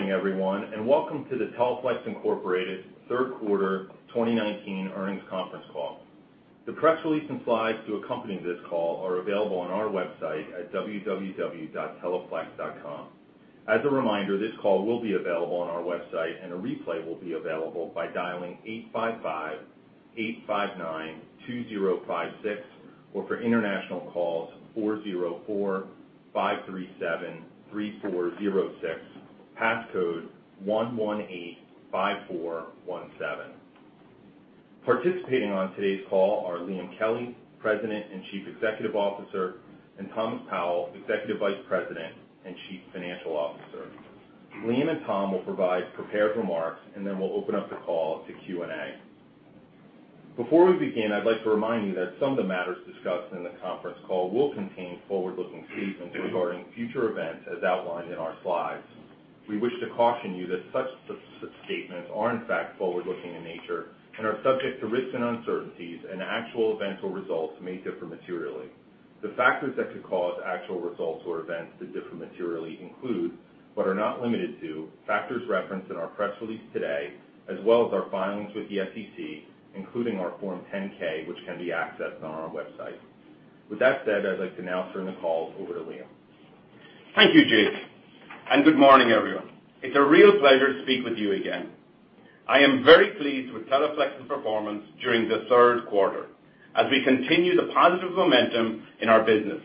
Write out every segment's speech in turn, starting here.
Morning, everyone, welcome to the Teleflex Incorporated third quarter 2019 earnings conference call. The press release and slides to accompany this call are available on our website at www.teleflex.com. As a reminder, this call will be available on our website and a replay will be available by dialing 855-859-2056, or for international calls, 404-537-3406, passcode 1185417. Participating on today's call are Liam Kelly, President and Chief Executive Officer, and Thomas Powell, Executive Vice President and Chief Financial Officer. Liam and Tom will provide prepared remarks, then we'll open up the call to Q&A. Before we begin, I'd like to remind you that some of the matters discussed in the conference call will contain forward-looking statements regarding future events as outlined in our slides. We wish to caution you that such statements are in fact forward-looking in nature and are subject to risks and uncertainties, and actual events or results may differ materially. The factors that could cause actual results or events to differ materially include, but are not limited to, factors referenced in our press release today, as well as our filings with the SEC, including our Form 10-K, which can be accessed on our website. With that said, I'd like to now turn the call over to Liam. Thank you, Jake. Good morning, everyone. It's a real pleasure to speak with you again. I am very pleased with Teleflex's performance during the third quarter as we continue the positive momentum in our business,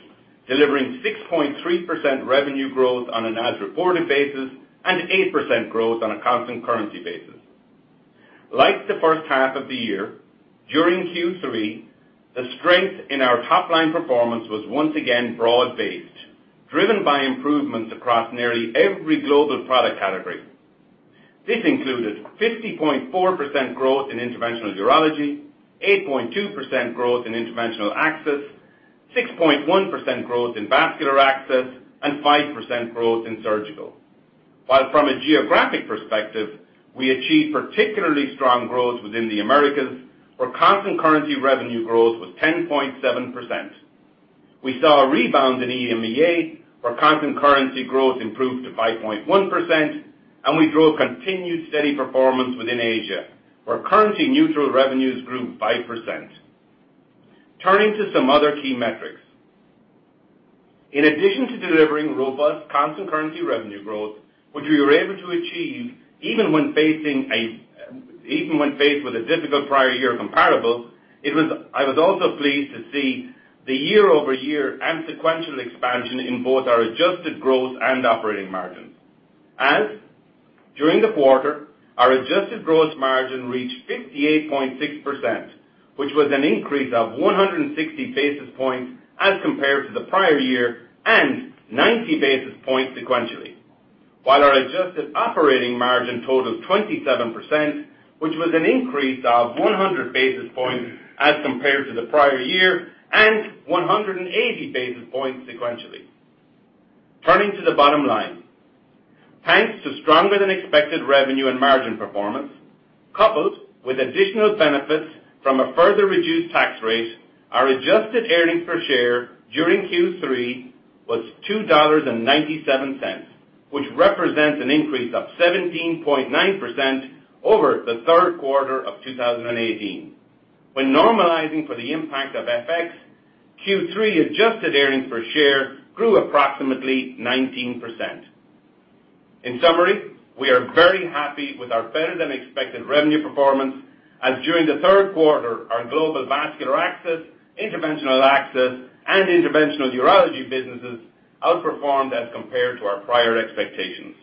delivering 6.3% revenue growth on an as-reported basis and 8% growth on a constant currency basis. Like the first half of the year, during Q3, the strength in our top-line performance was once again broad-based, driven by improvements across nearly every global product category. This included 50.4% growth in interventional urology, 8.2% growth in interventional access, 6.1% growth in vascular access, and 5% growth in surgical. From a geographic perspective, we achieved particularly strong growth within the Americas, where constant currency revenue growth was 10.7%. We saw a rebound in EMEA, where constant currency growth improved to 5.1%, and we drove continued steady performance within Asia, where currency-neutral revenues grew 5%. Turning to some other key metrics. In addition to delivering robust constant currency revenue growth, which we were able to achieve even when faced with a difficult prior-year comparable, I was also pleased to see the year-over-year and sequential expansion in both our adjusted growth and operating margins. During the quarter, our adjusted growth margin reached 58.6%, which was an increase of 160 basis points as compared to the prior year and 90 basis points sequentially. Our adjusted operating margin totaled 27%, which was an increase of 100 basis points as compared to the prior year and 180 basis points sequentially. Turning to the bottom line. Thanks to stronger-than-expected revenue and margin performance, coupled with additional benefits from a further reduced tax rate, our adjusted earnings per share during Q3 was $2.97, which represents an increase of 17.9% over the third quarter of 2018. When normalizing for the impact of FX, Q3 adjusted earnings per share grew approximately 19%. In summary, we are very happy with our better-than-expected revenue performance, as during the third quarter, our global vascular access, interventional access, and interventional urology businesses outperformed as compared to our prior expectations.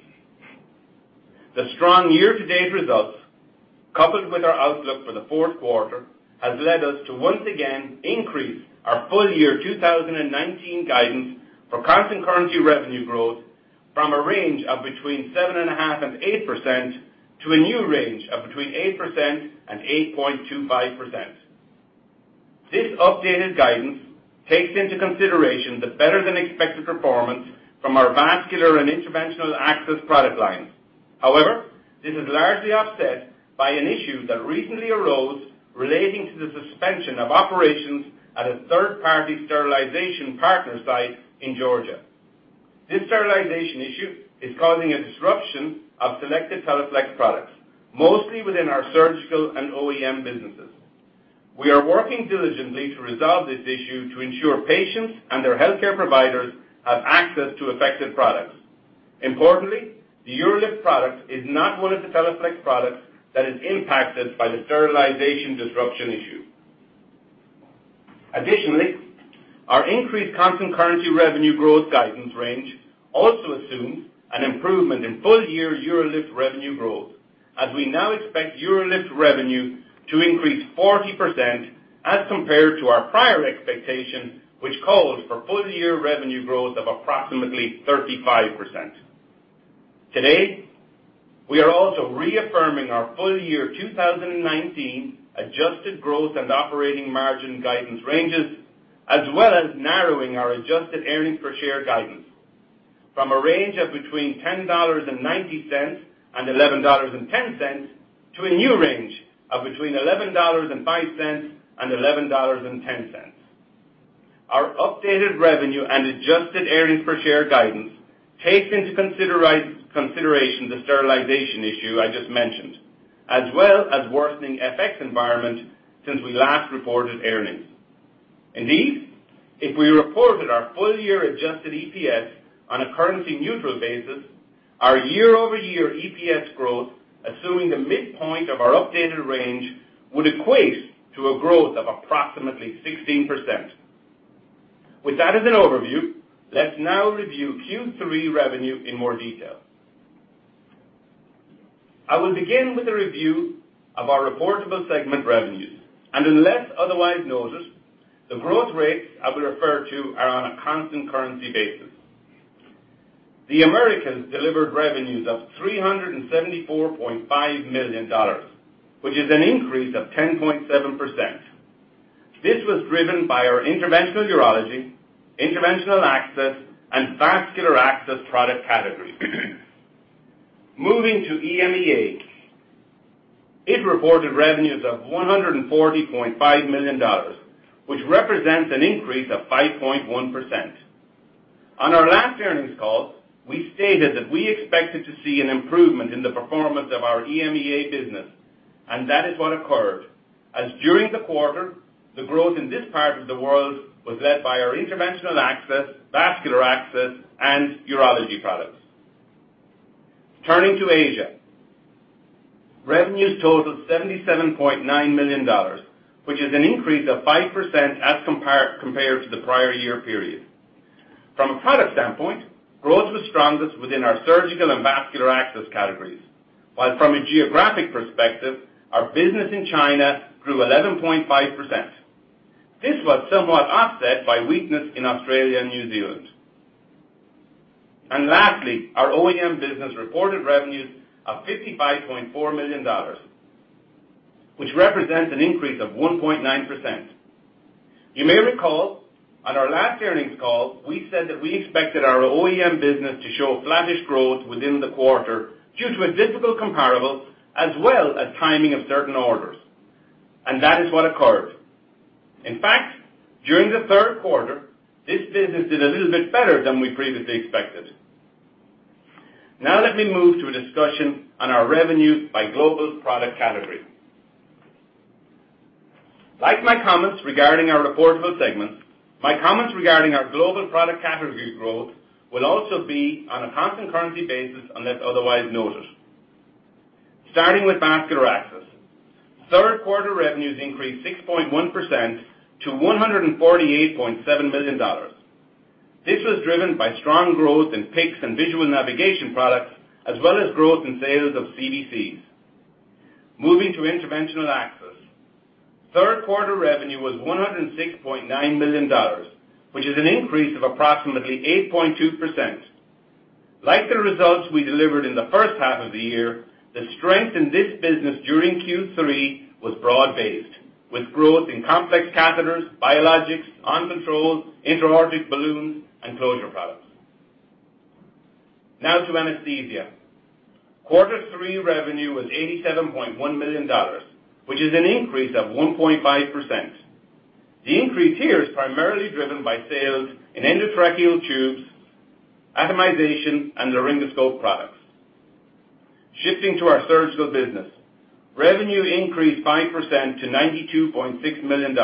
The strong year-to-date results, coupled with our outlook for the fourth quarter, has led us to once again increase our full-year 2019 guidance for constant currency revenue growth from a range of between 7.5% and 8% to a new range of between 8% and 8.25%. This updated guidance takes into consideration the better-than-expected performance from our vascular and interventional access product lines. This is largely offset by an issue that recently arose relating to the suspension of operations at a third-party sterilization partner site in Georgia. This sterilization issue is causing a disruption of selected Teleflex products, mostly within our surgical and OEM businesses. We are working diligently to resolve this issue to ensure patients and their healthcare providers have access to effective products. Importantly, the UroLift product is not one of the Teleflex products that is impacted by the sterilization disruption issue. Additionally, our increased constant currency revenue growth guidance range also assumes an improvement in full-year UroLift revenue growth, as we now expect UroLift revenue to increase 40% as compared to our prior expectation, which called for full-year revenue growth of approximately 35%. Today, we are also reaffirming our full-year 2019 adjusted growth and operating margin guidance ranges, as well as narrowing our adjusted earnings per share guidance from a range of between $10.90 and $11.10 to a new range of between $11.05 and $11.10. Our updated revenue and adjusted earnings per share guidance take into consideration the sterilization issue I just mentioned, as well as worsening FX environment since we last reported earnings. Indeed, if we reported our full-year adjusted EPS on a currency-neutral basis, our year-over-year EPS growth, assuming the midpoint of our updated range, would equate to a growth of approximately 16%. With that as an overview, let's now review Q3 revenue in more detail. I will begin with a review of our reportable segment revenues, and unless otherwise noted, the growth rates I will refer to are on a constant currency basis. The Americas delivered revenues of $374.5 million, which is an increase of 10.7%. This was driven by our interventional urology, interventional access, and vascular access product categories. Moving to EMEA. It reported revenues of $140.5 million, which represents an increase of 5.1%. On our last earnings call, we stated that we expected to see an improvement in the performance of our EMEA business, and that is what occurred, as during the quarter, the growth in this part of the world was led by our interventional access, vascular access, and urology products. Turning to Asia. Revenues totaled $77.9 million, which is an increase of 5% as compared to the prior year period. From a product standpoint, growth was strongest within our surgical and vascular access categories, while from a geographic perspective, our business in China grew 11.5%. This was somewhat offset by weakness in Australia and New Zealand. Lastly, our OEM business reported revenues of $55.4 million, which represents an increase of 1.9%. You may recall on our last earnings call, we said that we expected our OEM business to show a flattish growth within the quarter due to a difficult comparable as well as timing of certain orders, and that is what occurred. In fact, during the third quarter, this business did a little bit better than we previously expected. Let me move to a discussion on our revenue by global product category. Like my comments regarding our reportable segments, my comments regarding our global product category growth will also be on a constant currency basis unless otherwise noted. Starting with vascular access. Third-quarter revenues increased 6.1% to $148.7 million. This was driven by strong growth in PICC and visual navigation products, as well as growth in sales of CVCs. Moving to interventional access. Third-quarter revenue was $106.9 million, which is an increase of approximately 8.2%. Like the results we delivered in the first half of the year, the strength in this business during Q3 was broad-based, with growth in complex catheters, biologics, conventional intra-aortic balloons, and closure products. To anesthesia. Quarter three revenue was $87.1 million, which is an increase of 1.5%. The increase here is primarily driven by sales in endotracheal tubes, atomization, and laryngoscope products. Shifting to our surgical business. Revenue increased 5% to $92.6 million,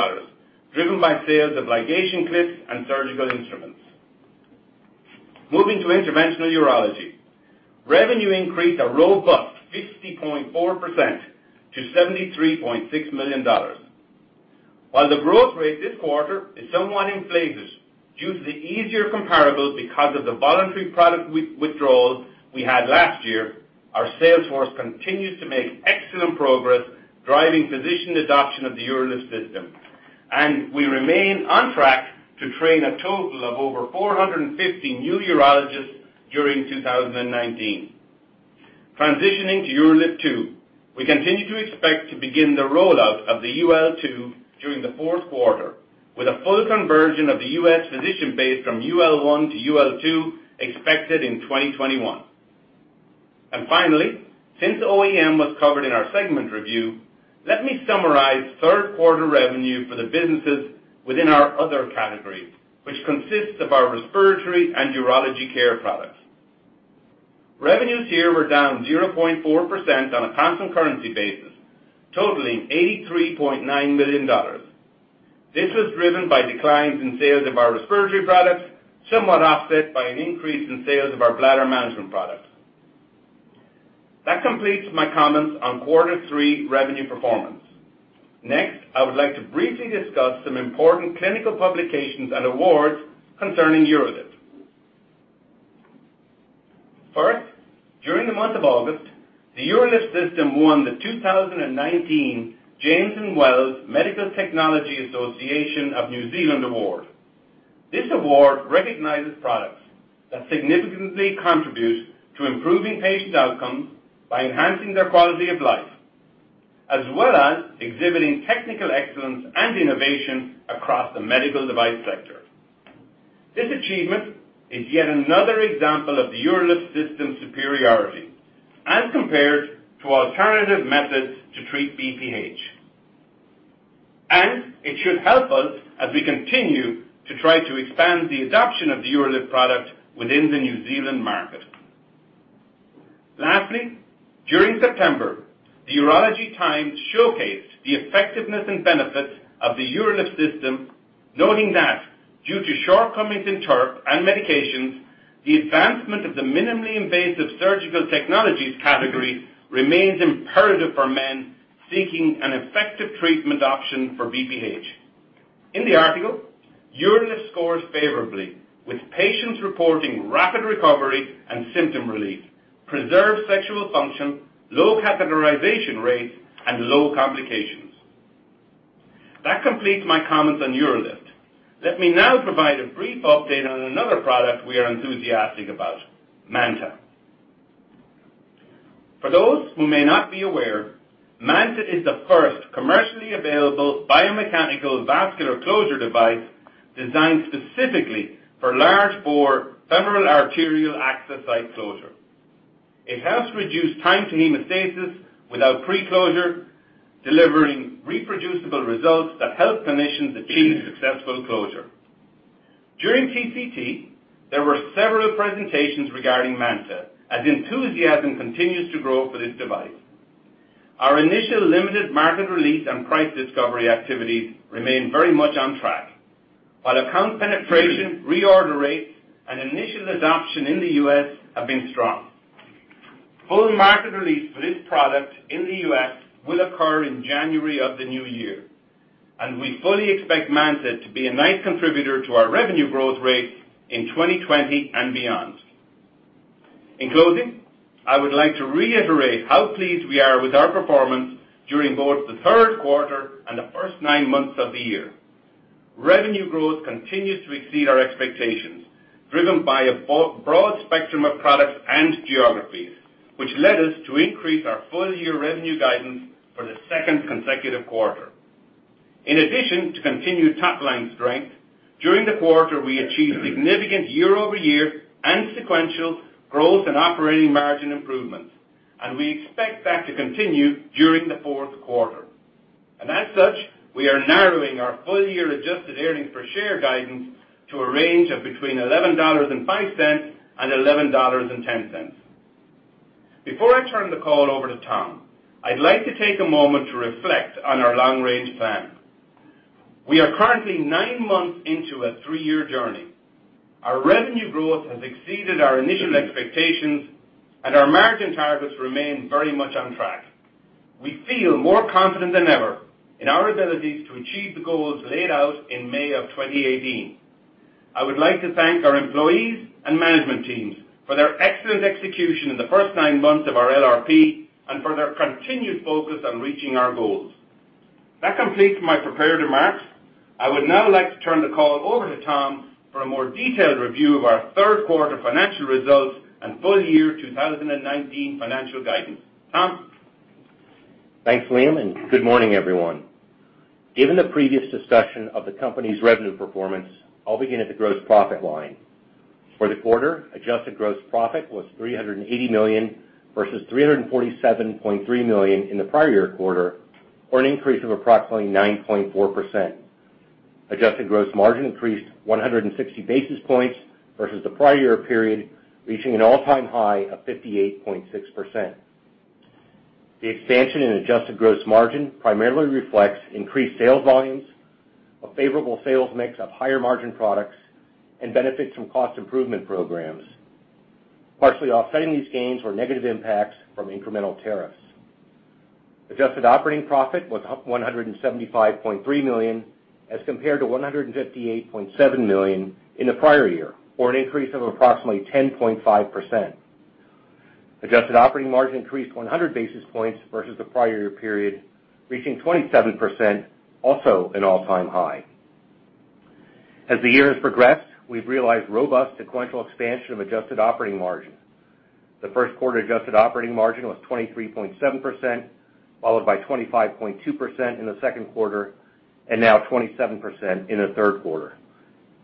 driven by sales of ligation clips and surgical instruments. Moving to interventional urology. Revenue increased a robust 50.4% to $73.6 million. While the growth rate this quarter is somewhat inflated due to the easier comparables because of the voluntary product withdrawals we had last year, our sales force continues to make excellent progress driving physician adoption of the UroLift System, and we remain on track to train a total of over 450 new urologists during 2019. Transitioning to UroLift 2. We continue to expect to begin the rollout of the UL2 during the fourth quarter, with a full conversion of the U.S. physician base from UL1 to UL2 expected in 2021. Finally, since OEM was covered in our segment review, let me summarize third-quarter revenue for the businesses within our other category, which consists of our respiratory and urology care products. Revenues here were down 0.4% on a constant currency basis, totaling $83.9 million. This was driven by declines in sales of our respiratory products, somewhat offset by an increase in sales of our bladder management products. That completes my comments on quarter three revenue performance. Next, I would like to briefly discuss some important clinical publications and awards concerning UroLift. First, during the month of August, the UroLift System won the 2019 James & Wells Medical Technology Association of New Zealand award. This award recognizes products that significantly contribute to improving patient outcomes by enhancing their quality of life, as well as exhibiting technical excellence and innovation across the medical device sector. This achievement is yet another example of the UroLift System superiority as compared to alternative methods to treat BPH. It should help us as we continue to try to expand the adoption of the UroLift product within the New Zealand market. Lastly, during September, the Urology Times showcased the effectiveness and benefits of the UroLift System, noting that due to shortcomings in TURP and medications, the advancement of the minimally invasive surgical technologies category remains imperative for men seeking an effective treatment option for BPH. In the article, UroLift scores favorably, with patients reporting rapid recovery and symptom relief, preserved sexual function, low catheterization rates, and low complications. That completes my comments on UroLift. Let me now provide a brief update on another product we are enthusiastic about, MANTA. For those who may not be aware, MANTA is the first commercially available biomechanical vascular closure device designed specifically for large bore femoral arterial access site closure. It helps reduce time to hemostasis without pre-closure, delivering reproducible results that help clinicians achieve successful closure. During TCT, there were several presentations regarding MANTA, as enthusiasm continues to grow for this device. Our initial limited market release and price discovery activities remain very much on track. While account penetration, reorder rates, and initial adoption in the U.S. have been strong, full market release for this product in the U.S. will occur in January of the new year, and we fully expect MANTA to be a nice contributor to our revenue growth rate in 2020 and beyond. In closing, I would like to reiterate how pleased we are with our performance during both the third quarter and the first nine months of the year. Revenue growth continues to exceed our expectations, driven by a broad spectrum of products and geographies, which led us to increase our full-year revenue guidance for the second consecutive quarter. In addition to continued top-line strength, during the quarter, we achieved significant year-over-year and sequential growth and operating margin improvements. We expect that to continue during the fourth quarter. As such, we are narrowing our full-year adjusted earnings per share guidance to a range of between $11.05 and $11.10. Before I turn the call over to Tom, I'd like to take a moment to reflect on our long-range plan. We are currently nine months into a three-year journey. Our revenue growth has exceeded our initial expectations. Our margin targets remain very much on track. We feel more confident than ever in our abilities to achieve the goals laid out in May of 2018. I would like to thank our employees and management teams for their excellent execution in the first nine months of our LRP. For their continued focus on reaching our goals. That completes my prepared remarks. I would now like to turn the call over to Tom for a more detailed review of our third quarter financial results and full year 2019 financial guidance. Tom? Thanks, Liam. Good morning, everyone. Given the previous discussion of the company's revenue performance, I'll begin at the gross profit line. For the quarter, adjusted gross profit was $380 million, versus $347.3 million in the prior year quarter, or an increase of approximately 9.4%. Adjusted gross margin increased 160 basis points versus the prior year period, reaching an all-time high of 58.6%. The expansion in adjusted gross margin primarily reflects increased sales volumes, a favorable sales mix of higher-margin products, and benefits from cost improvement programs. Partially offsetting these gains were negative impacts from incremental tariffs. Adjusted operating profit was $175.3 million, as compared to $158.7 million in the prior year, or an increase of approximately 10.5%. Adjusted operating margin increased 100 basis points versus the prior year period, reaching 27%, also an all-time high. As the year has progressed, we've realized robust sequential expansion of adjusted operating margin. The first quarter adjusted operating margin was 23.7%, followed by 25.2% in the second quarter, and now 27% in the third quarter.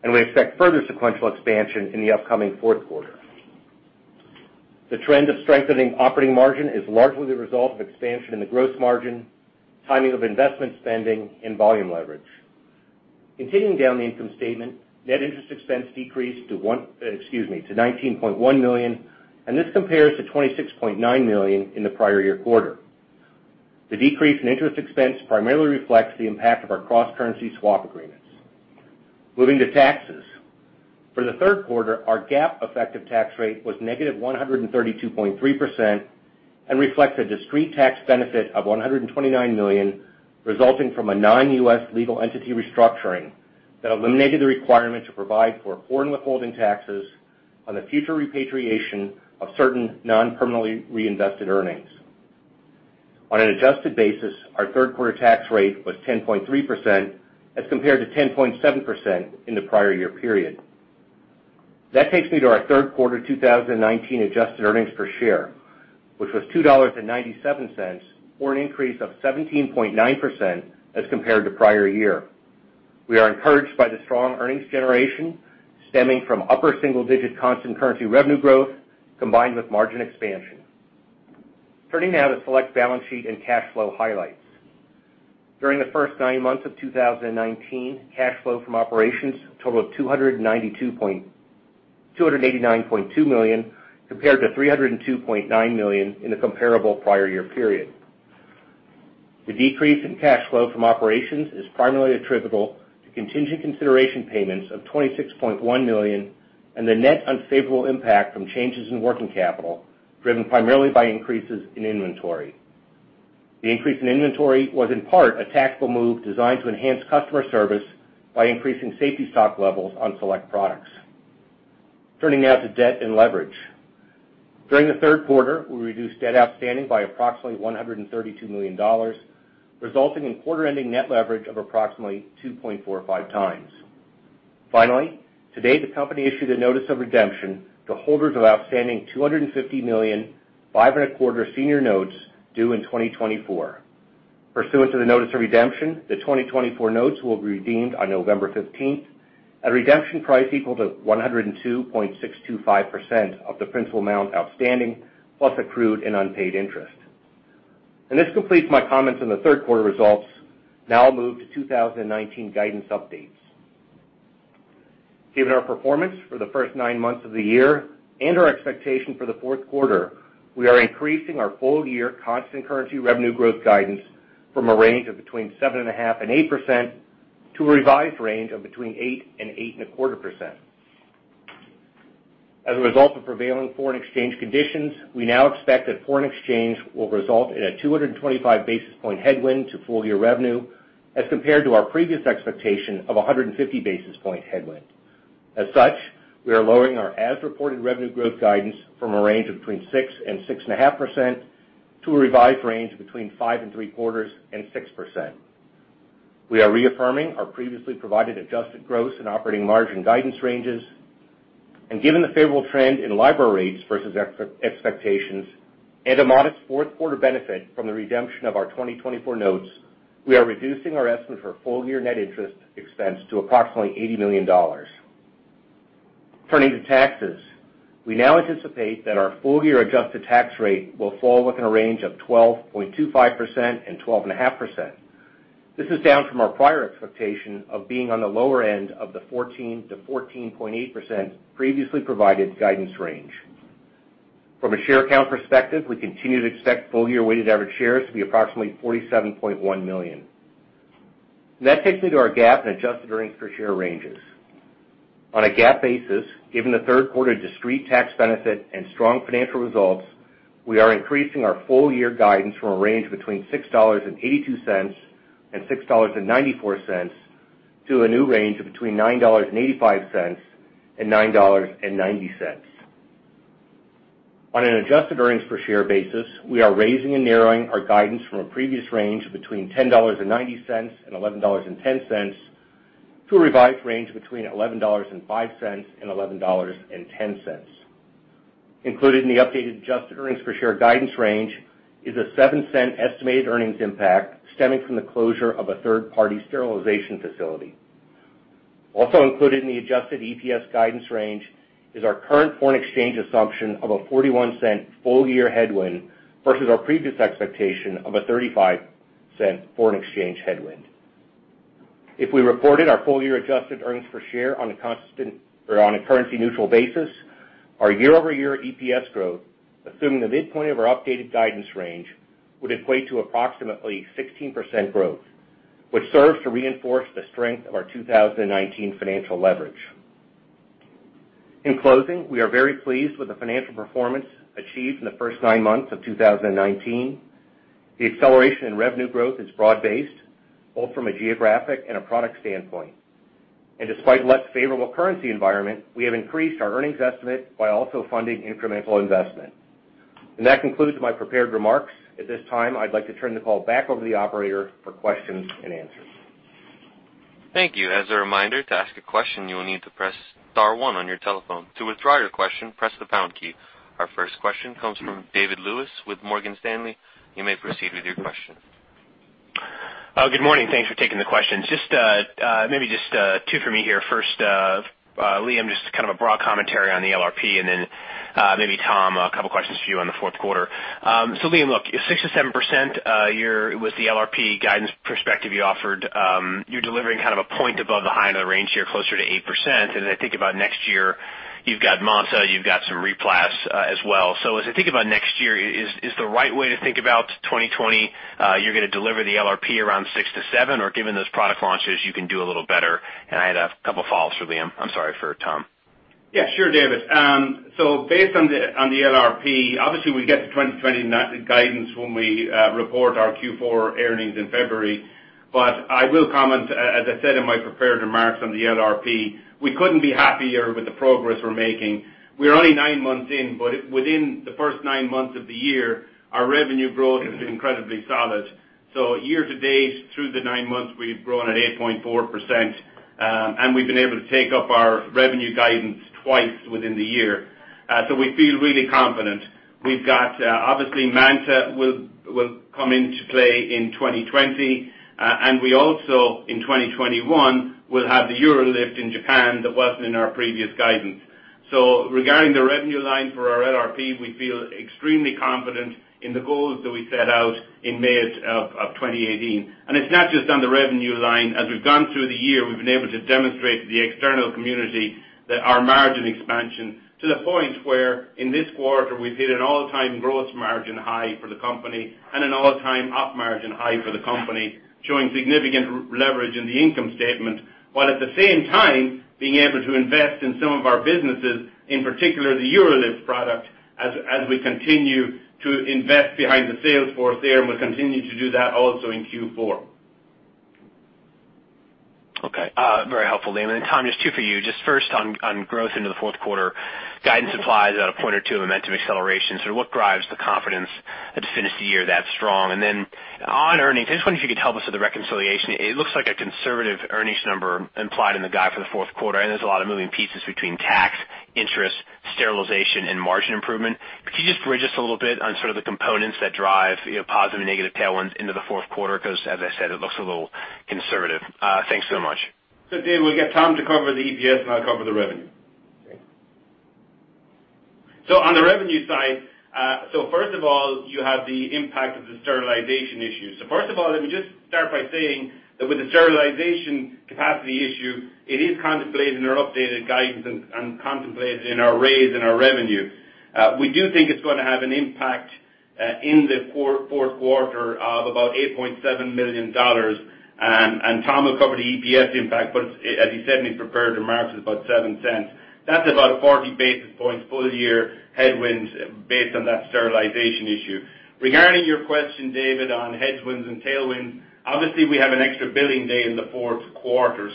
We expect further sequential expansion in the upcoming fourth quarter. The trend of strengthening operating margin is largely the result of expansion in the gross margin, timing of investment spending, and volume leverage. Continuing down the income statement, net interest expense decreased to $19.1 million, and this compares to $26.9 million in the prior year quarter. The decrease in interest expense primarily reflects the impact of our cross-currency swap agreements. Moving to taxes. For the third quarter, our GAAP effective tax rate was -132.3% and reflects a discrete tax benefit of $129 million, resulting from a non-U.S. legal entity restructuring that eliminated the requirement to provide for foreign withholding taxes on the future repatriation of certain non-permanently reinvested earnings. On an adjusted basis, our third quarter tax rate was 10.3% as compared to 10.7% in the prior year period. That takes me to our third quarter 2019 adjusted earnings per share, which was $2.97, or an increase of 17.9% as compared to prior year. We are encouraged by the strong earnings generation stemming from upper single-digit constant currency revenue growth combined with margin expansion. Turning now to select balance sheet and cash flow highlights. During the first nine months of 2019, cash flow from operations totaled $289.2 million, compared to $302.9 million in the comparable prior year period. The decrease in cash flow from operations is primarily attributable to contingent consideration payments of $26.1 million and the net unfavorable impact from changes in working capital, driven primarily by increases in inventory. The increase in inventory was in part a tactical move designed to enhance customer service by increasing safety stock levels on select products. Turning now to debt and leverage. During the third quarter, we reduced debt outstanding by approximately $132 million, resulting in quarter-ending net leverage of approximately 2.45 times. Today the company issued a notice of redemption to holders of outstanding $250 million 5.25% senior notes due in 2024. Pursuant to the notice of redemption, the 2024 notes will be redeemed on November 15th at a redemption price equal to 102.625% of the principal amount outstanding, plus accrued and unpaid interest. This completes my comments on the third quarter results. Now I'll move to 2019 guidance updates. Given our performance for the first nine months of the year and our expectation for the fourth quarter, we are increasing our full-year constant currency revenue growth guidance from a range of between 7.5% and 8% to a revised range of between 8% and 8.25%. As a result of prevailing foreign exchange conditions, we now expect that foreign exchange will result in a 225 basis point headwind to full-year revenue as compared to our previous expectation of 150 basis point headwind. As such, we are lowering our as-reported revenue growth guidance from a range of between 6% and 6.5% to a revised range of between 5.75% and 6%. We are reaffirming our previously provided adjusted gross and operating margin guidance ranges. Given the favorable trend in LIBOR rates versus expectations and a modest fourth quarter benefit from the redemption of our 2024 notes, we are reducing our estimate for full-year net interest expense to approximately $80 million. Turning to taxes, we now anticipate that our full-year adjusted tax rate will fall within a range of 12.25%-12.5%. This is down from our prior expectation of being on the lower end of the 14%-14.8% previously provided guidance range. From a share count perspective, we continue to expect full-year weighted average shares to be approximately 47.1 million. That takes me to our GAAP and adjusted earnings per share ranges. On a GAAP basis, given the third quarter discrete tax benefit and strong financial results, we are increasing our full-year guidance from a range between $6.82 and $6.94 to a new range of between $9.85 and $9.90. On an adjusted earnings per share basis, we are raising and narrowing our guidance from a previous range of between $10.90 and $11.10 to a revised range of between $11.05 and $11.10. Included in the updated adjusted earnings per share guidance range is a $0.07 estimated earnings impact stemming from the closure of a third-party sterilization facility. Also included in the adjusted EPS guidance range is our current foreign exchange assumption of a $0.41 full-year headwind versus our previous expectation of a $0.35 foreign exchange headwind. If we reported our full-year adjusted earnings per share on a currency-neutral basis, our year-over-year EPS growth, assuming the midpoint of our updated guidance range, would equate to approximately 16% growth, which serves to reinforce the strength of our 2019 financial leverage. In closing, we are very pleased with the financial performance achieved in the first nine months of 2019. The acceleration in revenue growth is broad-based, both from a geographic and a product standpoint. Despite a less favorable currency environment, we have increased our earnings estimate while also funding incremental investment. That concludes my prepared remarks. At this time, I'd like to turn the call back over to the operator for questions and answers. Thank you. As a reminder, to ask a question, you will need to press star one on your telephone. To withdraw your question, press the pound key. Our first question comes from David Lewis with Morgan Stanley. You may proceed with your question. Good morning. Thanks for taking the questions. Maybe just two for me here. First, Liam, just kind of a broad commentary on the LRP and then maybe Tom, a couple questions for you on the fourth quarter. Liam, look, 6%-7% with the LRP guidance perspective you offered, you're delivering kind of one point above the high end of the range here, closer to 8%. I think about next year, you've got MANTA, you've got some RePneu as well. As I think about next year, is the right way to think about 2020, you're going to deliver the LRP around 6%-7%? Given those product launches, you can do a little better? I had a couple follows for Liam. I'm sorry, for Tom. Yeah, sure, David. Based on the LRP, obviously we get the 2020 guidance when we report our Q4 earnings in February. I will comment, as I said in my prepared remarks on the LRP, we couldn't be happier with the progress we're making. We're only nine months in, but within the first nine months of the year, our revenue growth has been incredibly solid. Year to date through the nine months, we've grown at 8.4%. We've been able to take up our revenue guidance twice within the year. We feel really confident. Obviously, MANTA will come into play in 2020. We also, in 2021, will have the UroLift in Japan that wasn't in our previous guidance. Regarding the revenue line for our LRP, we feel extremely confident in the goals that we set out in May of 2018. It's not just on the revenue line. As we've gone through the year, we've been able to demonstrate to the external community that our margin expansion to the point where, in this quarter, we've hit an all-time gross margin high for the company and an all-time op margin high for the company, showing significant leverage in the income statement. While at the same time, being able to invest in some of our businesses, in particular the UroLift product, as we continue to invest behind the sales force there, and we'll continue to do that also in Q4. Okay. Very helpful, Liam. Tom, just two for you. Just first on growth into the fourth quarter. Guidance implies about a point or two of momentum acceleration. What drives the confidence to finish the year that strong? On earnings, I just wonder if you could help us with the reconciliation. It looks like a conservative earnings number implied in the guide for the fourth quarter, and there's a lot of moving pieces between tax, interest, sterilization, and margin improvement. Could you just bridge us a little bit on sort of the components that drive positive and negative tailwinds into the fourth quarter? Because, as I said, it looks a little conservative. Thanks so much. David, we'll get Tom to cover the EPS, and I'll cover the revenue. Okay. On the revenue side, first of all, you have the impact of the sterilization issue. First of all, let me just start by saying that with the sterilization capacity issue, it is contemplated in our updated guidance and contemplated in our raise in our revenue. We do think it's going to have an impact in the fourth quarter of about $8.7 million. Tom will cover the EPS impact, but as he said in his prepared remarks, it's about $0.07. That's about 40 basis points full-year headwinds based on that sterilization issue. Regarding your question, David, on headwinds and tailwinds, obviously we have an extra billing day in the fourth quarter.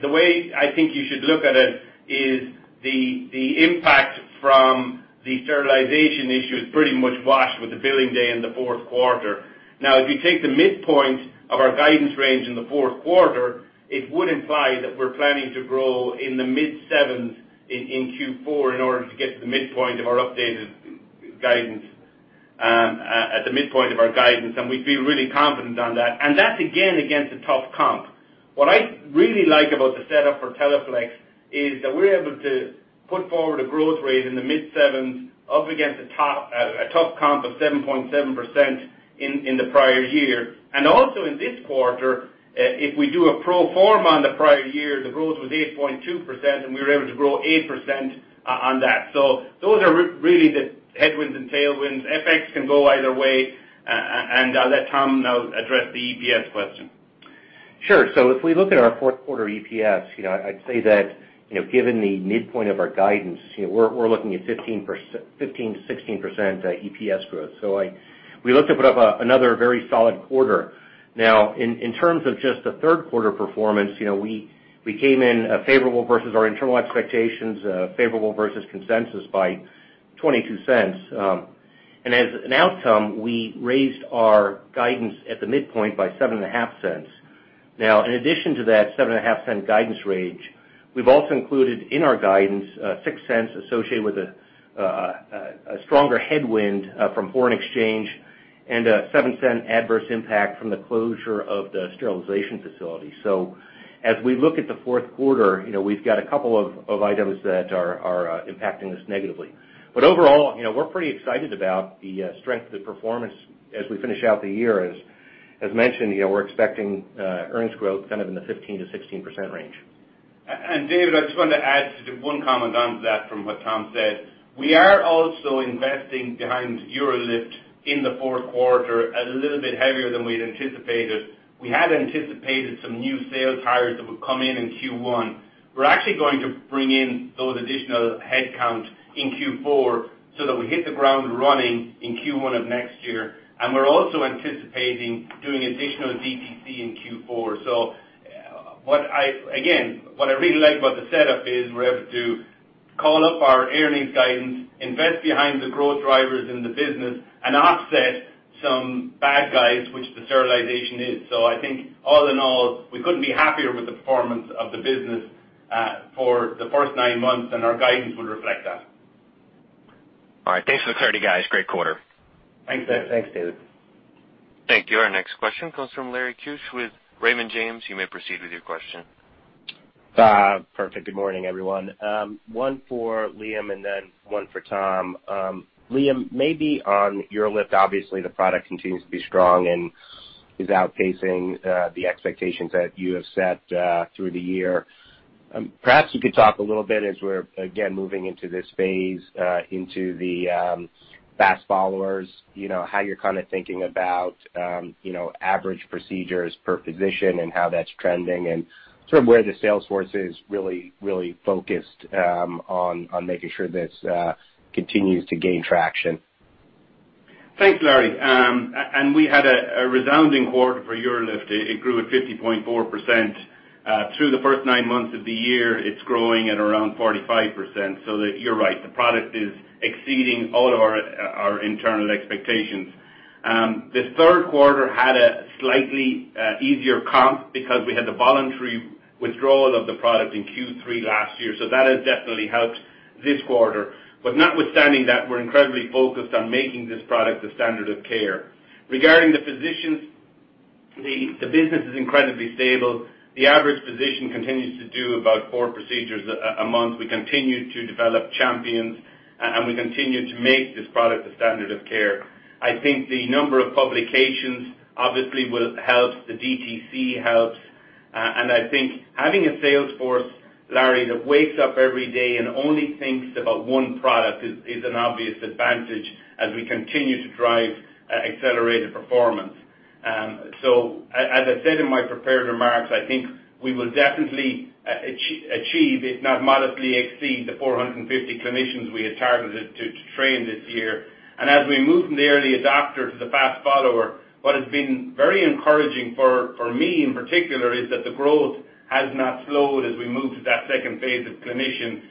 The way I think you should look at it is the impact from the sterilization issue is pretty much washed with the billing day in the fourth quarter. If you take the midpoint of our guidance range in the fourth quarter, it would imply that we're planning to grow in the mid-7s in Q4 in order to get to the midpoint of our updated guidance, and we feel really confident on that. That's again against a tough comp. What I really like about the setup for Teleflex is that we're able to put forward a growth rate in the mid-7s up against a tough comp of 7.7% in the prior year. Also in this quarter, if we do a pro forma on the prior year, the growth was 8.2%, and we were able to grow 8% on that. Those are really the headwinds and tailwinds. FX can go either way. I'll let Tom now address the EPS question. If we look at our fourth quarter EPS, I'd say that given the midpoint of our guidance, we're looking at 15%-16% EPS growth. We look to put up another very solid quarter. In terms of just the third quarter performance, we came in favorable versus our internal expectations, favorable versus consensus by $0.22. As an outcome, we raised our guidance at the midpoint by $0.075. In addition to that $0.075 guidance range, we have also included in our guidance $0.06 associated with a stronger headwind from foreign exchange and a $0.07 adverse impact from the closure of the sterilization facility. As we look at the fourth quarter, we have a couple of items that are impacting us negatively. Overall, we're pretty excited about the strength of the performance as we finish out the year. As mentioned, we're expecting earnings growth kind of in the 15%-16% range. David, I just want to add one comment on to that from what Tom said. We are also investing behind UroLift in the fourth quarter a little bit heavier than we'd anticipated. We had anticipated some new sales hires that would come in in Q1. We're actually going to bring in those additional headcounts in Q4 so that we hit the ground running in Q1 of next year. We're also anticipating doing additional DTC in Q4. Again, what I really like about the setup is we're able to call up our earnings guidance, invest behind the growth drivers in the business, and offset some bad guys, which the sterilization is. All in all, we couldn't be happier with the performance of the business for the first nine months, and our guidance would reflect that. All right. Thanks for the clarity, guys. Great quarter. Thanks, David. Thanks, David. Thank you. Our next question comes from Larry Keusch with Raymond James. You may proceed with your question. Perfect. Good morning, everyone. One for Liam and then one for Tom. Liam, maybe on UroLift, obviously the product continues to be strong and is outpacing the expectations that you have set through the year. Perhaps you could talk a little bit as we're, again, moving into this phase into the fast followers, how you're kind of thinking about average procedures per physician and how that's trending, and sort of where the sales force is really focused on making sure this continues to gain traction. Thanks, Larry. We had a resounding quarter for UroLift. It grew at 50.4%. Through the first nine months of the year, it's growing at around 45%. You're right, the product is exceeding all our internal expectations. The third quarter had a slightly easier comp because we had the voluntary withdrawal of the product in Q3 last year. That has definitely helped this quarter. Notwithstanding that, we're incredibly focused on making this product the standard of care. Regarding the physicians, the business is incredibly stable. The average physician continues to do about four procedures a month. We continue to develop champions, and we continue to make this product the standard of care. I think the number of publications obviously will help. The DTC helps. I think having a sales force, Larry, that wakes up every day and only thinks about one product is an obvious advantage as we continue to drive accelerated performance. As I said in my prepared remarks, I think we will definitely achieve, if not modestly exceed, the 450 clinicians we had targeted to train this year. As we move from the early adopter to the fast follower, what has been very encouraging for me, in particular, is that the growth has not slowed as we move to that second phase of clinician.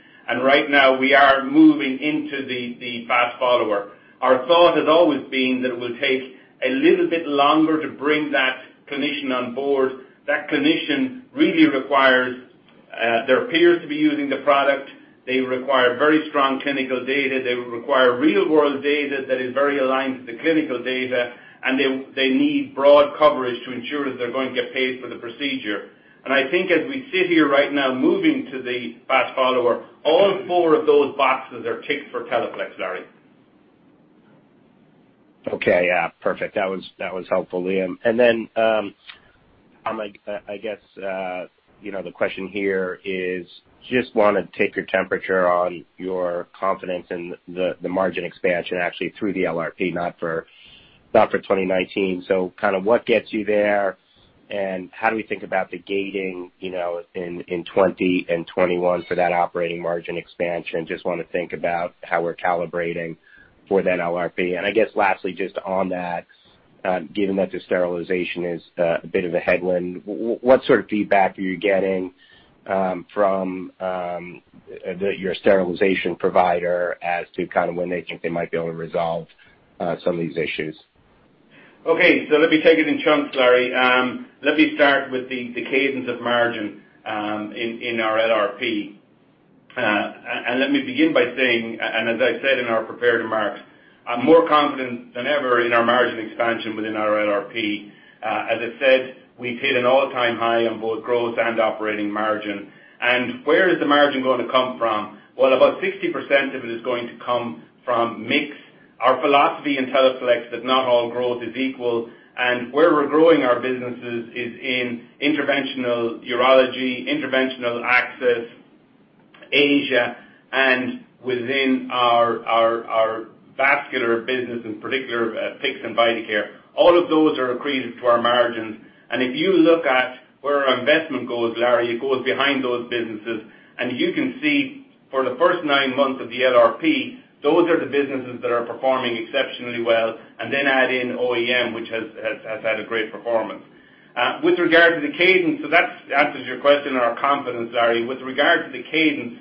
Right now, we are moving into the fast follower. Our thought has always been that it will take a little bit longer to bring that clinician on board. That clinician really requires their peers to be using the product. They require very strong clinical data. They require real-world data that is very aligned to the clinical data, and they need broad coverage to ensure that they're going to get paid for the procedure. I think as we sit here right now, moving to the fast follower, all four of those boxes are ticked for Teleflex, Larry. Okay. Yeah. Perfect. That was helpful, Liam. I guess the question here is just want to take your temperature on your confidence in the margin expansion actually through the LRP, not for 2019. What gets you there, and how do we think about the gating in 20 and 21 for that operating margin expansion? Just want to think about how we're calibrating for that LRP. Lastly, just on that, given that the sterilization is a bit of a headwind, what sort of feedback are you getting from your sterilization provider as to when they think they might be able to resolve some of these issues? Okay. Let me take it in chunks, Larry. Let me start with the cadence of margin in our LRP. Let me begin by saying, as I said in our prepared remarks, I'm more confident than ever in our margin expansion within our LRP. As I said, we've hit an all-time high on both growth and operating margin. Where is the margin going to come from? Well, about 60% of it is going to come from mix. Our philosophy in Teleflex is that not all growth is equal, and where we're growing our businesses is in interventional urology, interventional access, Asia, and within our vascular business, in particular, PICC and Vidacare. All of those are accretive to our margins. If you look at where our investment goes, Larry, it goes behind those businesses. You can see for the first nine months of the LRP, those are the businesses that are performing exceptionally well. Then add in OEM, which has had a great performance. With regard to the cadence, so that answers your question on our confidence, Larry. With regard to the cadence,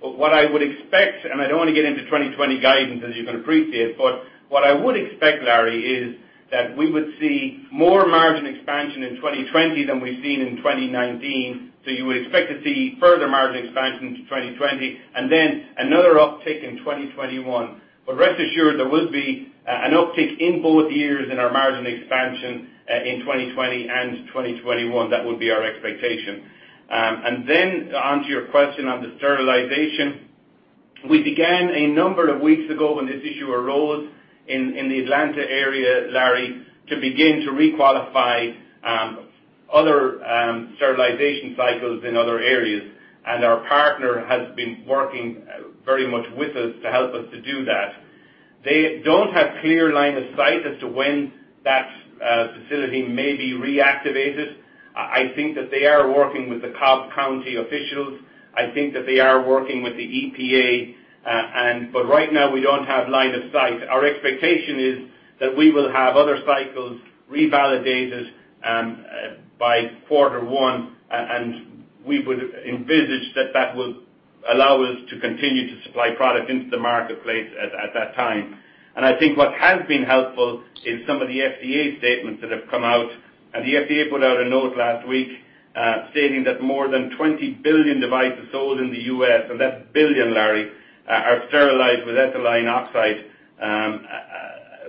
what I would expect, and I don't want to get into 2020 guidance, as you can appreciate, but what I would expect, Larry, is that we would see more margin expansion in 2020 than we've seen in 2019. You would expect to see further margin expansion into 2020 and then another uptick in 2021. Rest assured, there will be an uptick in both years in our margin expansion in 2020 and 2021. That would be our expectation. Then onto your question on the sterilization. We began a number of weeks ago when this issue arose in the Atlanta area, Larry, to begin to requalify other sterilization cycles in other areas, and our partner has been working very much with us to help us to do that. They don't have clear line of sight as to when that facility may be reactivated. I think that they are working with the Cobb County officials. I think that they are working with the EPA. Right now, we don't have line of sight. Our expectation is that we will have other cycles revalidated by quarter one, and we would envisage that that will allow us to continue to supply product into the marketplace at that time. I think what has been helpful is some of the FDA statements that have come out. The FDA put out a note last week stating that more than 20 billion devices sold in the U.S., so that's billion, Larry, are sterilized with ethylene oxide,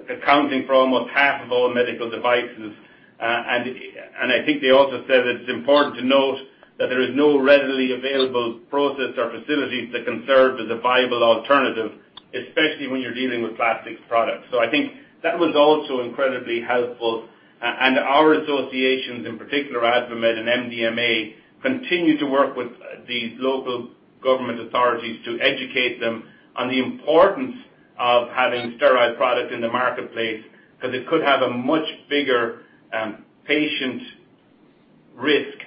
accounting for almost half of all medical devices. I think they also said that it's important to note that there is no readily available process or facilities that can serve as a viable alternative, especially when you're dealing with plastics products. I think that was also incredibly helpful. Our associations, in particular, AdvaMed and MDMA, continue to work with these local government authorities to educate them on the importance of having sterilized products in the marketplace because it could have a much bigger patient risk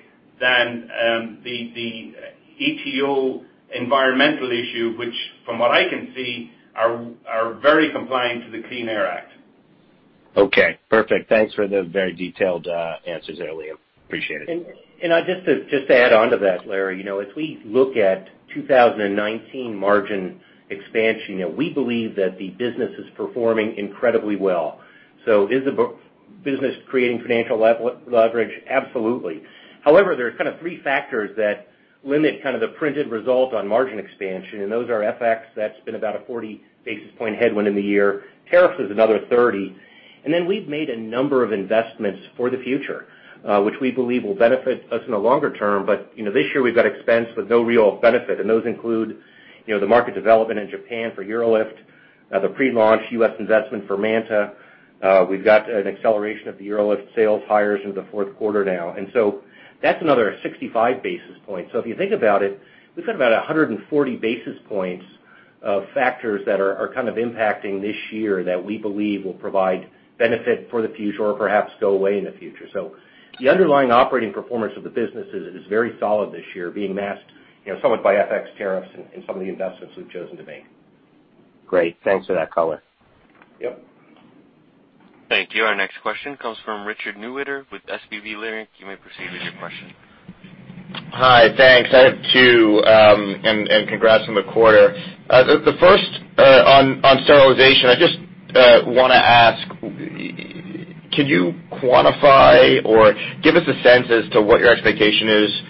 than the ETO environmental issue, which from what I can see are very compliant to the Clean Air Act. Okay, perfect. Thanks for the very detailed answers there, Liam. Appreciate it. Just to add onto that, Larry, as we look at 2019 margin expansion, we believe that the business is performing incredibly well. Is the business creating financial leverage? Absolutely. However, there are three factors that limit the printed result on margin expansion, and those are FX, that's been about a 40 basis point headwind in the year. Tariffs is another 30. Then we've made a number of investments for the future, which we believe will benefit us in the longer term. But this year, we've got expense with no real benefit, and those include the market development in Japan for UroLift, the pre-launch U.S. investment for MANTA. We've got an acceleration of the UroLift sales hires into fourth quarter now, so that's another 65 basis points. If you think about it, we've got about 140 basis points of factors that are impacting this year that we believe will provide benefit for the future or perhaps go away in the future. The underlying operating performance of the business is very solid this year, being masked somewhat by FX tariffs and some of the investments we've chosen to make. Great. Thanks for that color. Yep. Thank you. Our next question comes from Richard Newitter with SVB Leerink. You may proceed with your question. Hi, thanks. I have two. Congrats on the quarter. The first on sterilization. I just want to ask, can you quantify or give us a sense as to what your expectation is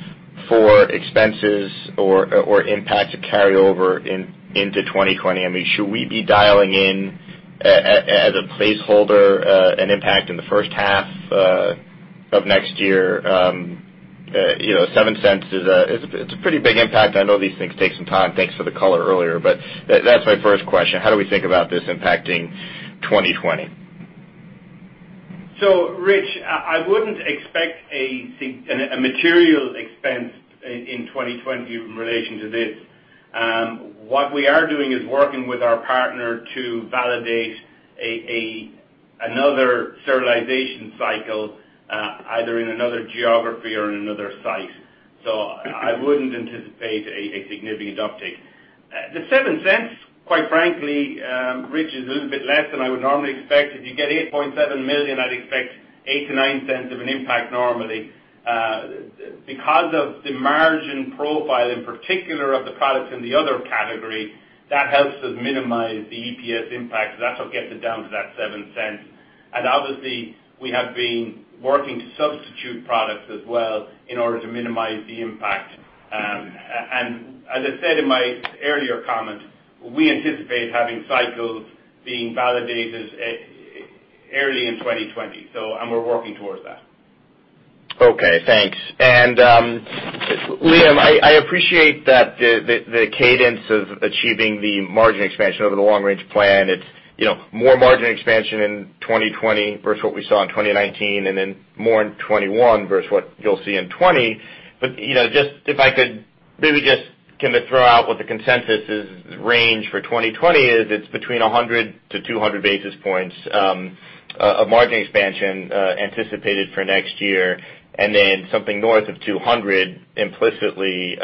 for expenses or impact to carry over into 2020? Should we be dialing in, as a placeholder, an impact in the first half of next year? $0.07 it's a pretty big impact. I know these things take some time. Thanks for the color earlier, that's my first question. How do we think about this impacting 2020? Richard, I wouldn't expect a material expense in 2020 in relation to this. What we are doing is working with our partner to validate another sterilization cycle, either in another geography or in another site. I wouldn't anticipate a significant uptick. The $0.07, quite frankly, Richard, is a little bit less than I would normally expect. If you get $8.7 million, I'd expect $0.08-$0.09 of an impact normally. Because of the margin profile, in particular of the products in the other category, that helps us minimize the EPS impact. That's what gets it down to that $0.07. Obviously, we have been working to substitute products as well in order to minimize the impact. As I said in my earlier comment, we anticipate having cycles being validated early in 2020. We're working towards that. Okay, thanks. Liam, I appreciate the cadence of achieving the margin expansion over the long range plan. It's more margin expansion in 2020 versus what we saw in 2019, and then more in 2021 versus what you'll see in 2020. If I could maybe just throw out what the consensus range for 2020 is. It's between 100 to 200 basis points of margin expansion anticipated for next year, and then something north of 200 implicitly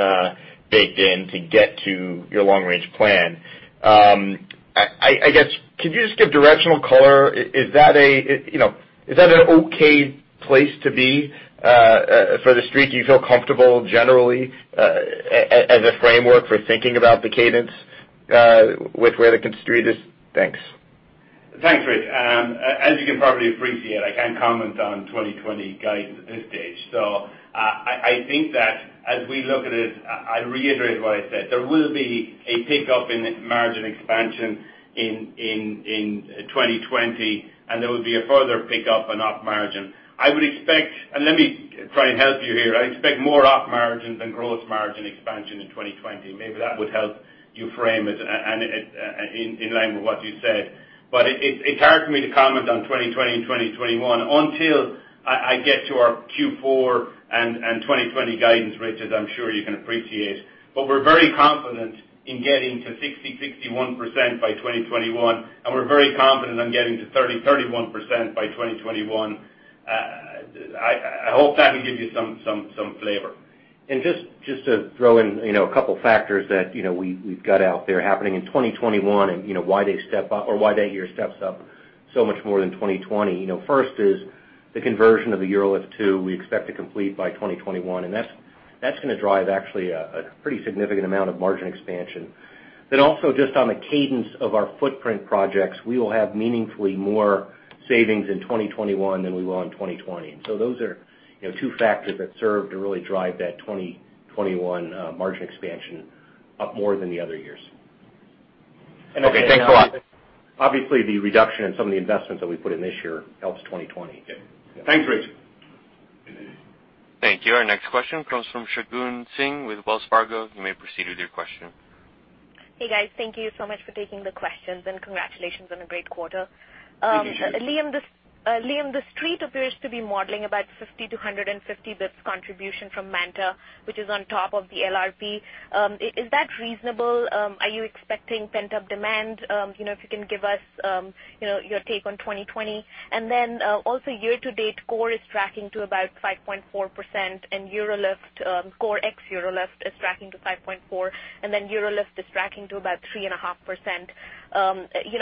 baked in to get to your long range plan. I guess, could you just give directional color? Is that an okay place to be for The Street? Do you feel comfortable generally, as a framework for thinking about the cadence, with where the street is? Thanks. Thanks, Rich. As you can probably appreciate, I can't comment on 2020 guidance at this stage. I think that as we look at it, I reiterate what I said. There will be a pickup in margin expansion in 2020, and there will be a further pickup in op margin. I would expect, let me try and help you here. I expect more op margin than gross margin expansion in 2020. Maybe that would help you frame it in line with what you said. It's hard for me to comment on 2020 and 2021 until I get to our Q4 and 2020 guidance, Richard, I'm sure you can appreciate. We're very confident in getting to 60%-61% by 2021, and we're very confident on getting to 30%-31% by 2021. I hope that will give you some flavor. Just to throw in a couple factors that we've got out there happening in 2021 and why that year steps up so much more than 2020. First is the conversion of the UroLift 2 we expect to complete by 2021, and that's going to drive actually a pretty significant amount of margin expansion. Also just on the cadence of our footprint projects, we will have meaningfully more savings in 2021 than we will in 2020. Those are two factors that serve to really drive that 2021 margin expansion up more than the other years. Okay. Thanks a lot. Obviously, the reduction in some of the investments that we put in this year helps 2020. Yeah. Thanks, Rich. Thank you. Our next question comes from Shagun Singh with Wells Fargo. You may proceed with your question. Hey, guys. Thank you so much for taking the questions, and congratulations on a great quarter. Thank you. Liam, The Street appears to be modeling about 50-150 basis points contribution from MANTA, which is on top of the LRP. Is that reasonable? Are you expecting pent-up demand? If you can give us your take on 2020. Also year to date core is tracking to about 5.4%, and core ex UroLift is tracking to 5.4%, and then UroLift is tracking to about 3.5%.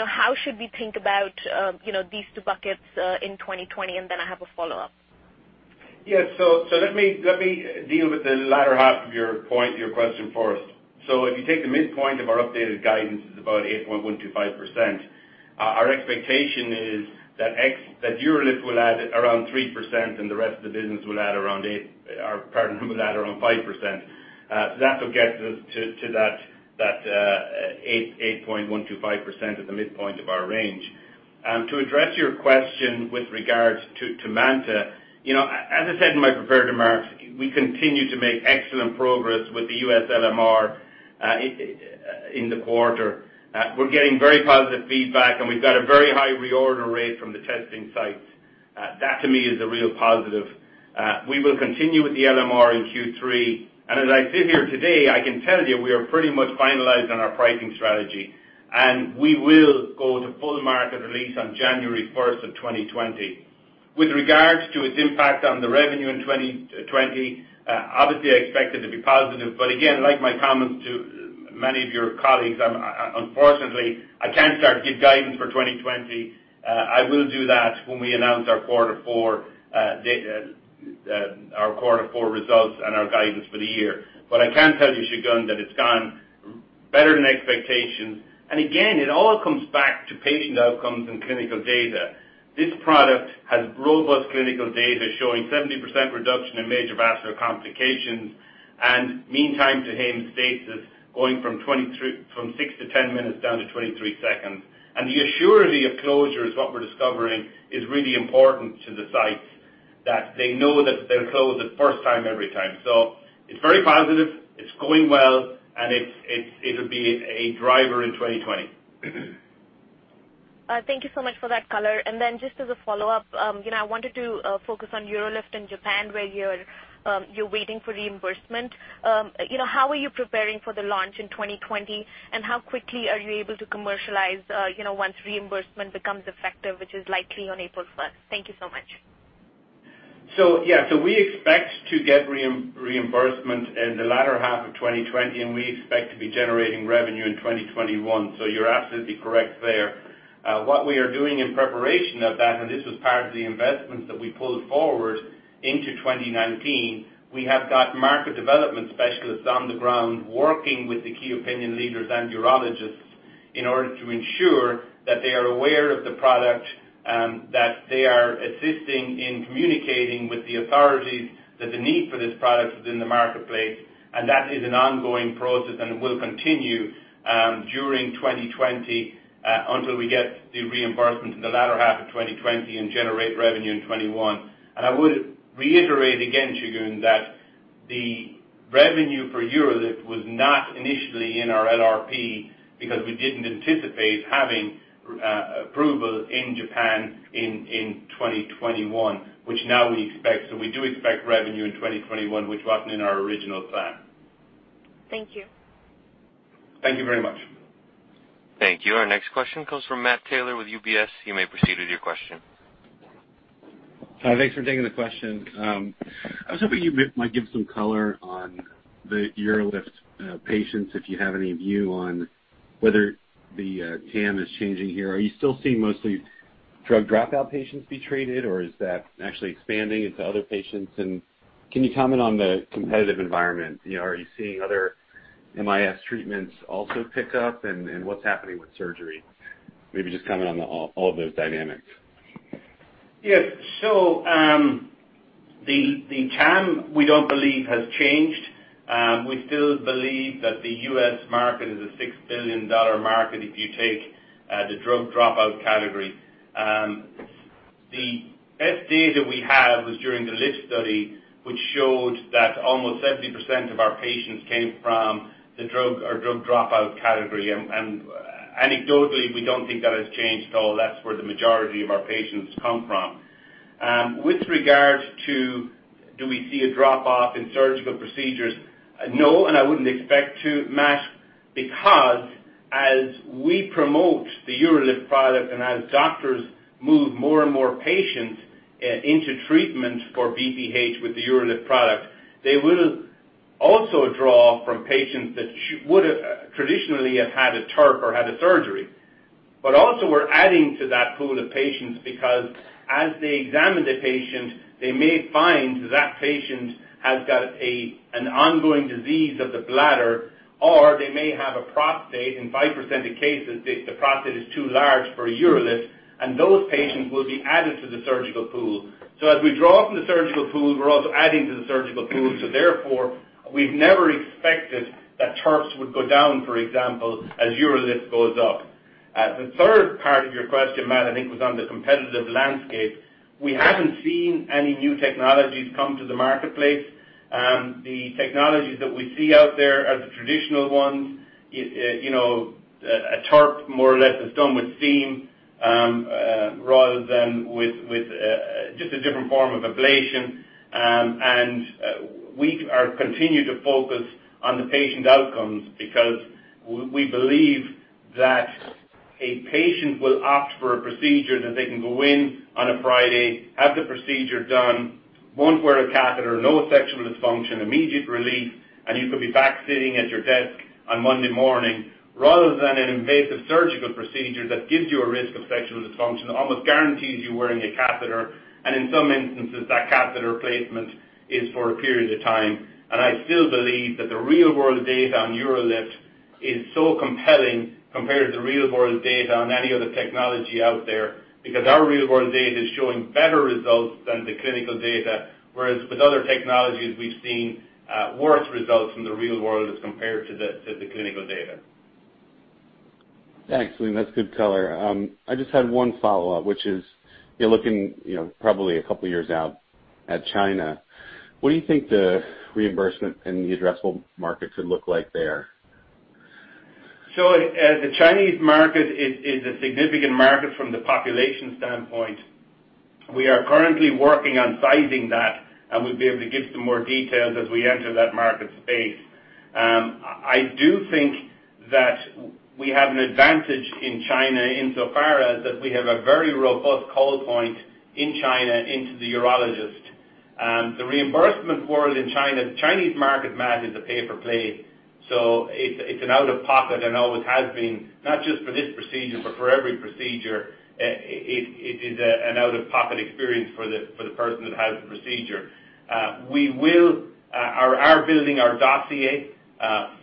How should we think about these two buckets in 2020? I have a follow-up. Yes. Let me deal with the latter half of your question first. If you take the midpoint of our updated guidance, it's about 8.125%. Our expectation is that UroLift will add around 3% and the rest of the business will add around 5%. That's what gets us to that 8.125% at the midpoint of our range. To address your question with regards to MANTA, as I said in my prepared remarks, we continue to make excellent progress with the U.S. LMR in the quarter. We're getting very positive feedback, and we've got a very high reorder rate from the testing sites. That to me is a real positive. We will continue with the LMR in Q3. As I sit here today, I can tell you we are pretty much finalized on our pricing strategy, and we will go to full market release on January 1st of 2020. With regards to its impact on the revenue in 2020, obviously, I expect it to be positive. Again, like my comments to many of your colleagues, unfortunately, I can't start to give guidance for 2020. I will do that when we announce our quarter four results and our guidance for the year. I can tell you, Shagun, that it's gone better than expectations. Again, it all comes back to patient outcomes and clinical data. This product has robust clinical data showing 70% reduction in major vascular complications, and mean time to hemostasis going from 6-10 minutes down to 23 seconds. The assurance of closure is what we're discovering is really important to the sites, that they know that they'll close it first time every time. It's very positive. It's going well, and it'll be a driver in 2020. Thank you so much for that color. Just as a follow-up, I wanted to focus on UroLift in Japan, where you're waiting for reimbursement. How are you preparing for the launch in 2020, and how quickly are you able to commercialize once reimbursement becomes effective, which is likely on April 1st? Thank you so much. We expect to get reimbursement in the latter half of 2020, and we expect to be generating revenue in 2021. You're absolutely correct there. What we are doing in preparation of that, and this was part of the investments that we pulled forward into 2019, we have got market development specialists on the ground working with the key opinion leaders and urologists in order to ensure that they are aware of the product, that they are assisting in communicating with the authorities that the need for this product is in the marketplace. That is an ongoing process and will continue during 2020 until we get the reimbursement in the latter half of 2020 and generate revenue in 2021. I would reiterate again, Shagun, that the revenue for UroLift was not initially in our LRP because we didn't anticipate having approval in Japan in 2021, which now we expect. We do expect revenue in 2021, which wasn't in our original plan. Thank you. Thank you very much. Thank you. Our next question comes from Matt Taylor with UBS. You may proceed with your question. Thanks for taking the question. I was hoping you might give some color on the UroLift patients, if you have any view on whether the TAM is changing here. Are you still seeing mostly drug dropout patients be treated, or is that actually expanding into other patients? Can you comment on the competitive environment? Are you seeing other MIS treatments also pick up, and what's happening with surgery? Maybe just comment on all of those dynamics. Yes. The TAM, we don't believe has changed. We still believe that the U.S. market is a $6 billion market if you take the drug dropout category. The best data we have was during the LIFT study, which showed that almost 70% of our patients came from the drug or drug dropout category. Anecdotally, we don't think that has changed at all. That's where the majority of our patients come from. With regards to do we see a drop-off in surgical procedures? No, I wouldn't expect to, Matt, because as we promote the UroLift product and as doctors move more and more patients into treatment for BPH with the UroLift product, they will also draw from patients that would traditionally have had a TURP or had a surgery. Also we're adding to that pool of patients because as they examine the patient, they may find that patient has got an ongoing disease of the bladder, or they may have a prostate. In 5% of cases, the prostate is too large for a UroLift, and those patients will be added to the surgical pool. As we draw from the surgical pool, we're also adding to the surgical pool. Therefore, we've never expected that TURPs would go down, for example, as UroLift goes up. The third part of your question, Matt, I think was on the competitive landscape. We haven't seen any new technologies come to the marketplace. The technologies that we see out there are the traditional ones. A TURP more or less is done with steam rather than with just a different form of ablation. We continue to focus on the patient outcomes because we believe that a patient will opt for a procedure that they can go in on a Friday, have the procedure done, won't wear a catheter, no sexual dysfunction, immediate relief, and you could be back sitting at your desk on Monday morning rather than an invasive surgical procedure that gives you a risk of sexual dysfunction, almost guarantees you wearing a catheter, and in some instances, that catheter placement is for a period of time. I still believe that the real-world data on UroLift is so compelling compared to the real-world data on any other technology out there because our real-world data is showing better results than the clinical data, whereas with other technologies, we've seen worse results from the real world as compared to the clinical data. Thanks, Liam. That's good color. I just had one follow-up, which is, you're looking probably a couple of years out at China. What do you think the reimbursement and the addressable market could look like there? The Chinese market is a significant market from the population standpoint. We are currently working on sizing that, and we'll be able to give some more details as we enter that market space. I do think that we have an advantage in China insofar as that we have a very robust call point in China into the urologist. The reimbursement world in China, the Chinese market, Matt, is a pay-for-play. It's an out-of-pocket and always has been, not just for this procedure, but for every procedure. It is an out-of-pocket experience for the person that has the procedure. We are building our dossier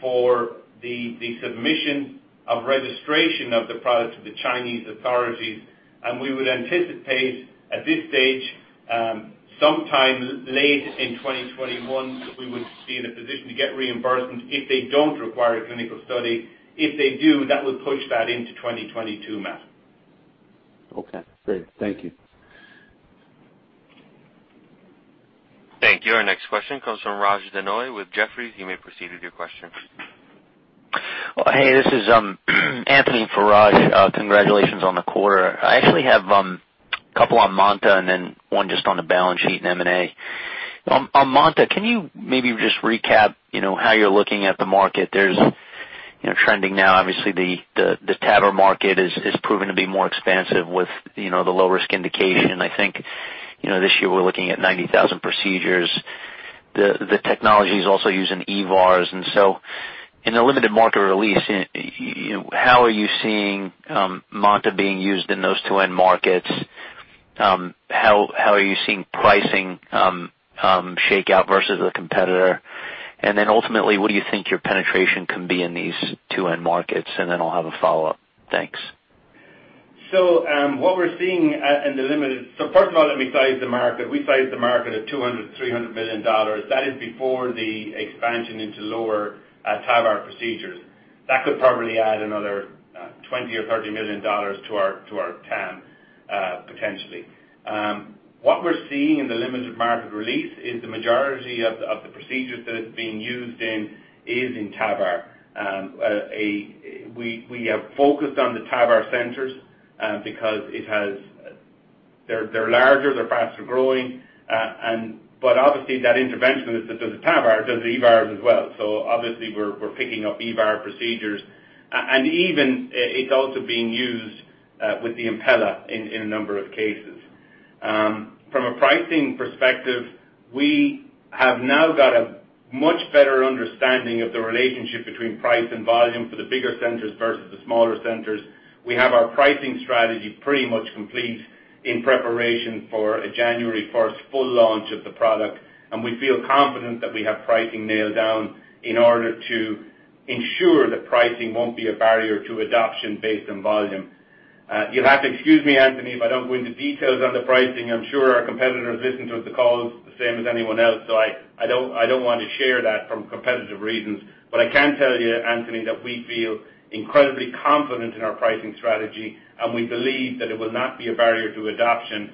for the submission of registration of the product to the Chinese authorities, and we would anticipate at this stage, sometime late in 2021, that we would be in a position to get reimbursement if they don't require a clinical study. If they do, that will push that into 2022, Matt. Okay, great. Thank you. Thank you. Our next question comes from Raj Denhoy with Jefferies. You may proceed with your question. Hey, this is Anthony for Raj. Congratulations on the quarter. I actually have a couple on MANTA and then one just on the balance sheet and M&A. MANTA, can you maybe just recap how you're looking at the market? There's trending now, obviously, the TAVR market is proving to be more expansive with the low-risk indication. I think this year we're looking at 90,000 procedures. The technology is also used in EVARs. In the limited market release, how are you seeing MANTA being used in those two end markets? How are you seeing pricing shake out versus the competitor? Ultimately, what do you think your penetration can be in these two end markets? I'll have a follow-up. Thanks. First of all, let me size the market. We sized the market at $200 million-$300 million. That is before the expansion into lower TAVR procedures. That could probably add another $20 million or $30 million to our TAM, potentially. What we're seeing in the limited market release is the majority of the procedures that it's being used in is in TAVR. We have focused on the TAVR centers because they're larger, they're faster-growing, but obviously that interventionist that does the TAVR does the EVARs as well. Obviously we're picking up EVAR procedures. Even, it's also being used with the Impella in a number of cases. From a pricing perspective, we have now got a much better understanding of the relationship between price and volume for the bigger centers versus the smaller centers. We have our pricing strategy pretty much complete in preparation for a January 1st full launch of the product. We feel confident that we have pricing nailed down in order to ensure that pricing won't be a barrier to adoption based on volume. You'll have to excuse me, Anthony, if I don't go into details on the pricing. I'm sure our competitors listen to the calls the same as anyone else. I don't want to share that for competitive reasons. I can tell you, Anthony, that we feel incredibly confident in our pricing strategy, and we believe that it will not be a barrier to adoption.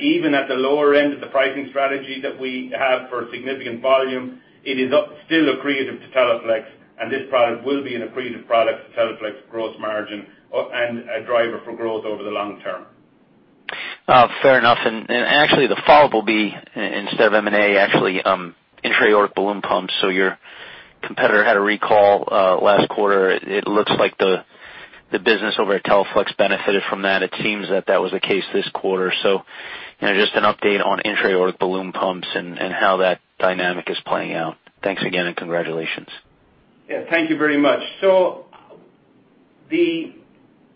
Even at the lower end of the pricing strategy that we have for significant volume, it is still accretive to Teleflex, and this product will be an accretive product to Teleflex gross margin and a driver for growth over the long term. Fair enough. Actually, the follow-up will be instead of M&A, actually intra-aortic balloon pumps. Your competitor had a recall last quarter. It looks like the business over at Teleflex benefited from that. It seems that that was the case this quarter. Just an update on intra-aortic balloon pumps and how that dynamic is playing out. Thanks again and congratulations. Yeah, thank you very much. The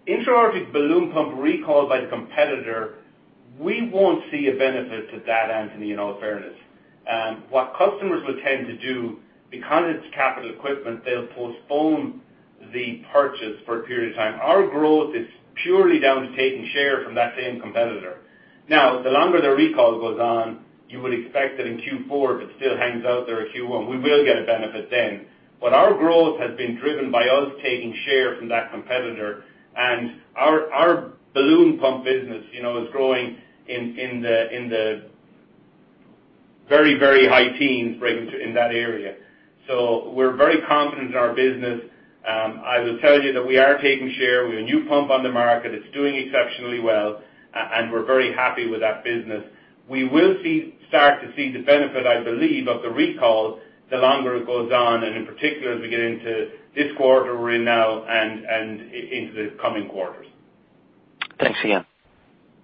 intra-aortic balloon pump recall by the competitor, we won't see a benefit to that, Anthony, in all fairness. What customers will tend to do, because it's capital equipment, they'll postpone the purchase for a period of time. Our growth is purely down to taking share from that same competitor. The longer the recall goes on, you would expect that in Q4, if it still hangs out there a Q1, we will get a benefit then. Our growth has been driven by us taking share from that competitor. Our balloon pump business is growing in the very high teens in that area. We're very confident in our business. I will tell you that we are taking share. We have a new pump on the market. It's doing exceptionally well. We're very happy with that business. We will start to see the benefit, I believe, of the recall the longer it goes on, and in particular, as we get into this quarter we're in now and into the coming quarters. Thanks, Liam.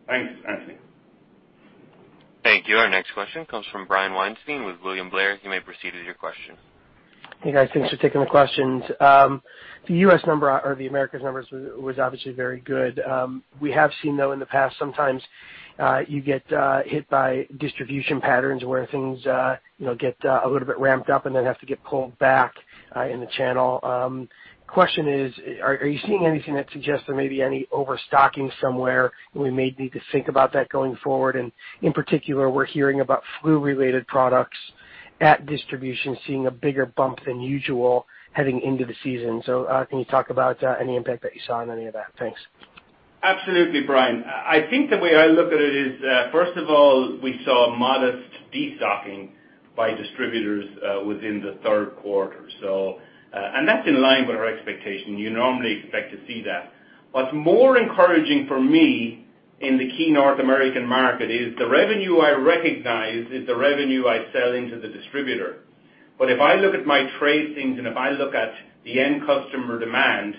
Thanks, Anthony. Thank you. Our next question comes from Brian Weinstein with William Blair. You may proceed with your question. Hey, guys. Thanks for taking the questions. The U.S. number, or the Americas numbers, was obviously very good. We have seen, though, in the past, sometimes you get hit by distribution patterns where things get a little bit ramped up and then have to get pulled back in the channel. Question is, are you seeing anything that suggests there may be any overstocking somewhere and we may need to think about that going forward? In particular, we're hearing about flu-related products at distribution seeing a bigger bump than usual heading into the season. Can you talk about any impact that you saw in any of that? Thanks. Absolutely, Brian. I think the way I look at it is, first of all, we saw a modest de-stocking by distributors within the third quarter. That's in line with our expectation. You normally expect to see that. What's more encouraging for me in the key North American market is the revenue I recognize is the revenue I sell into the distributor. If I look at my [tradings] and if I look at the end customer demand,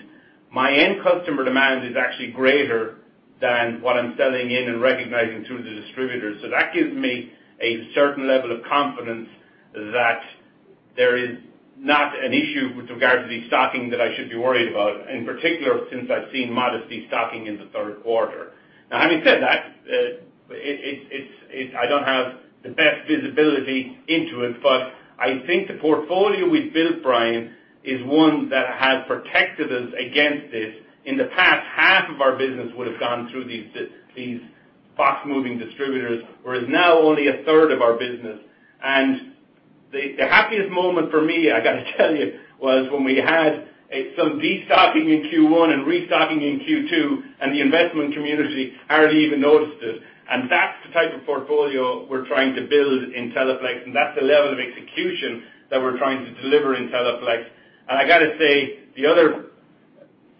my end customer demand is actually greater than what I'm selling in and recognizing through the distributors. That gives me a certain level of confidence that there is not an issue with regard to de-stocking that I should be worried about. In particular, since I've seen modest de-stocking in the third quarter. Having said that, I don't have the best visibility into it, but I think the portfolio we've built, Brian, is one that has protected us against this. In the past, half of our business would have gone through these box moving distributors, whereas now only a third of our business. The happiest moment for me, I got to tell you, was when we had some de-stocking in Q1 and restocking in Q2, and the investment community hardly even noticed it. That's the type of portfolio we're trying to build in Teleflex, and that's the level of execution that we're trying to deliver in Teleflex. I got to say, the other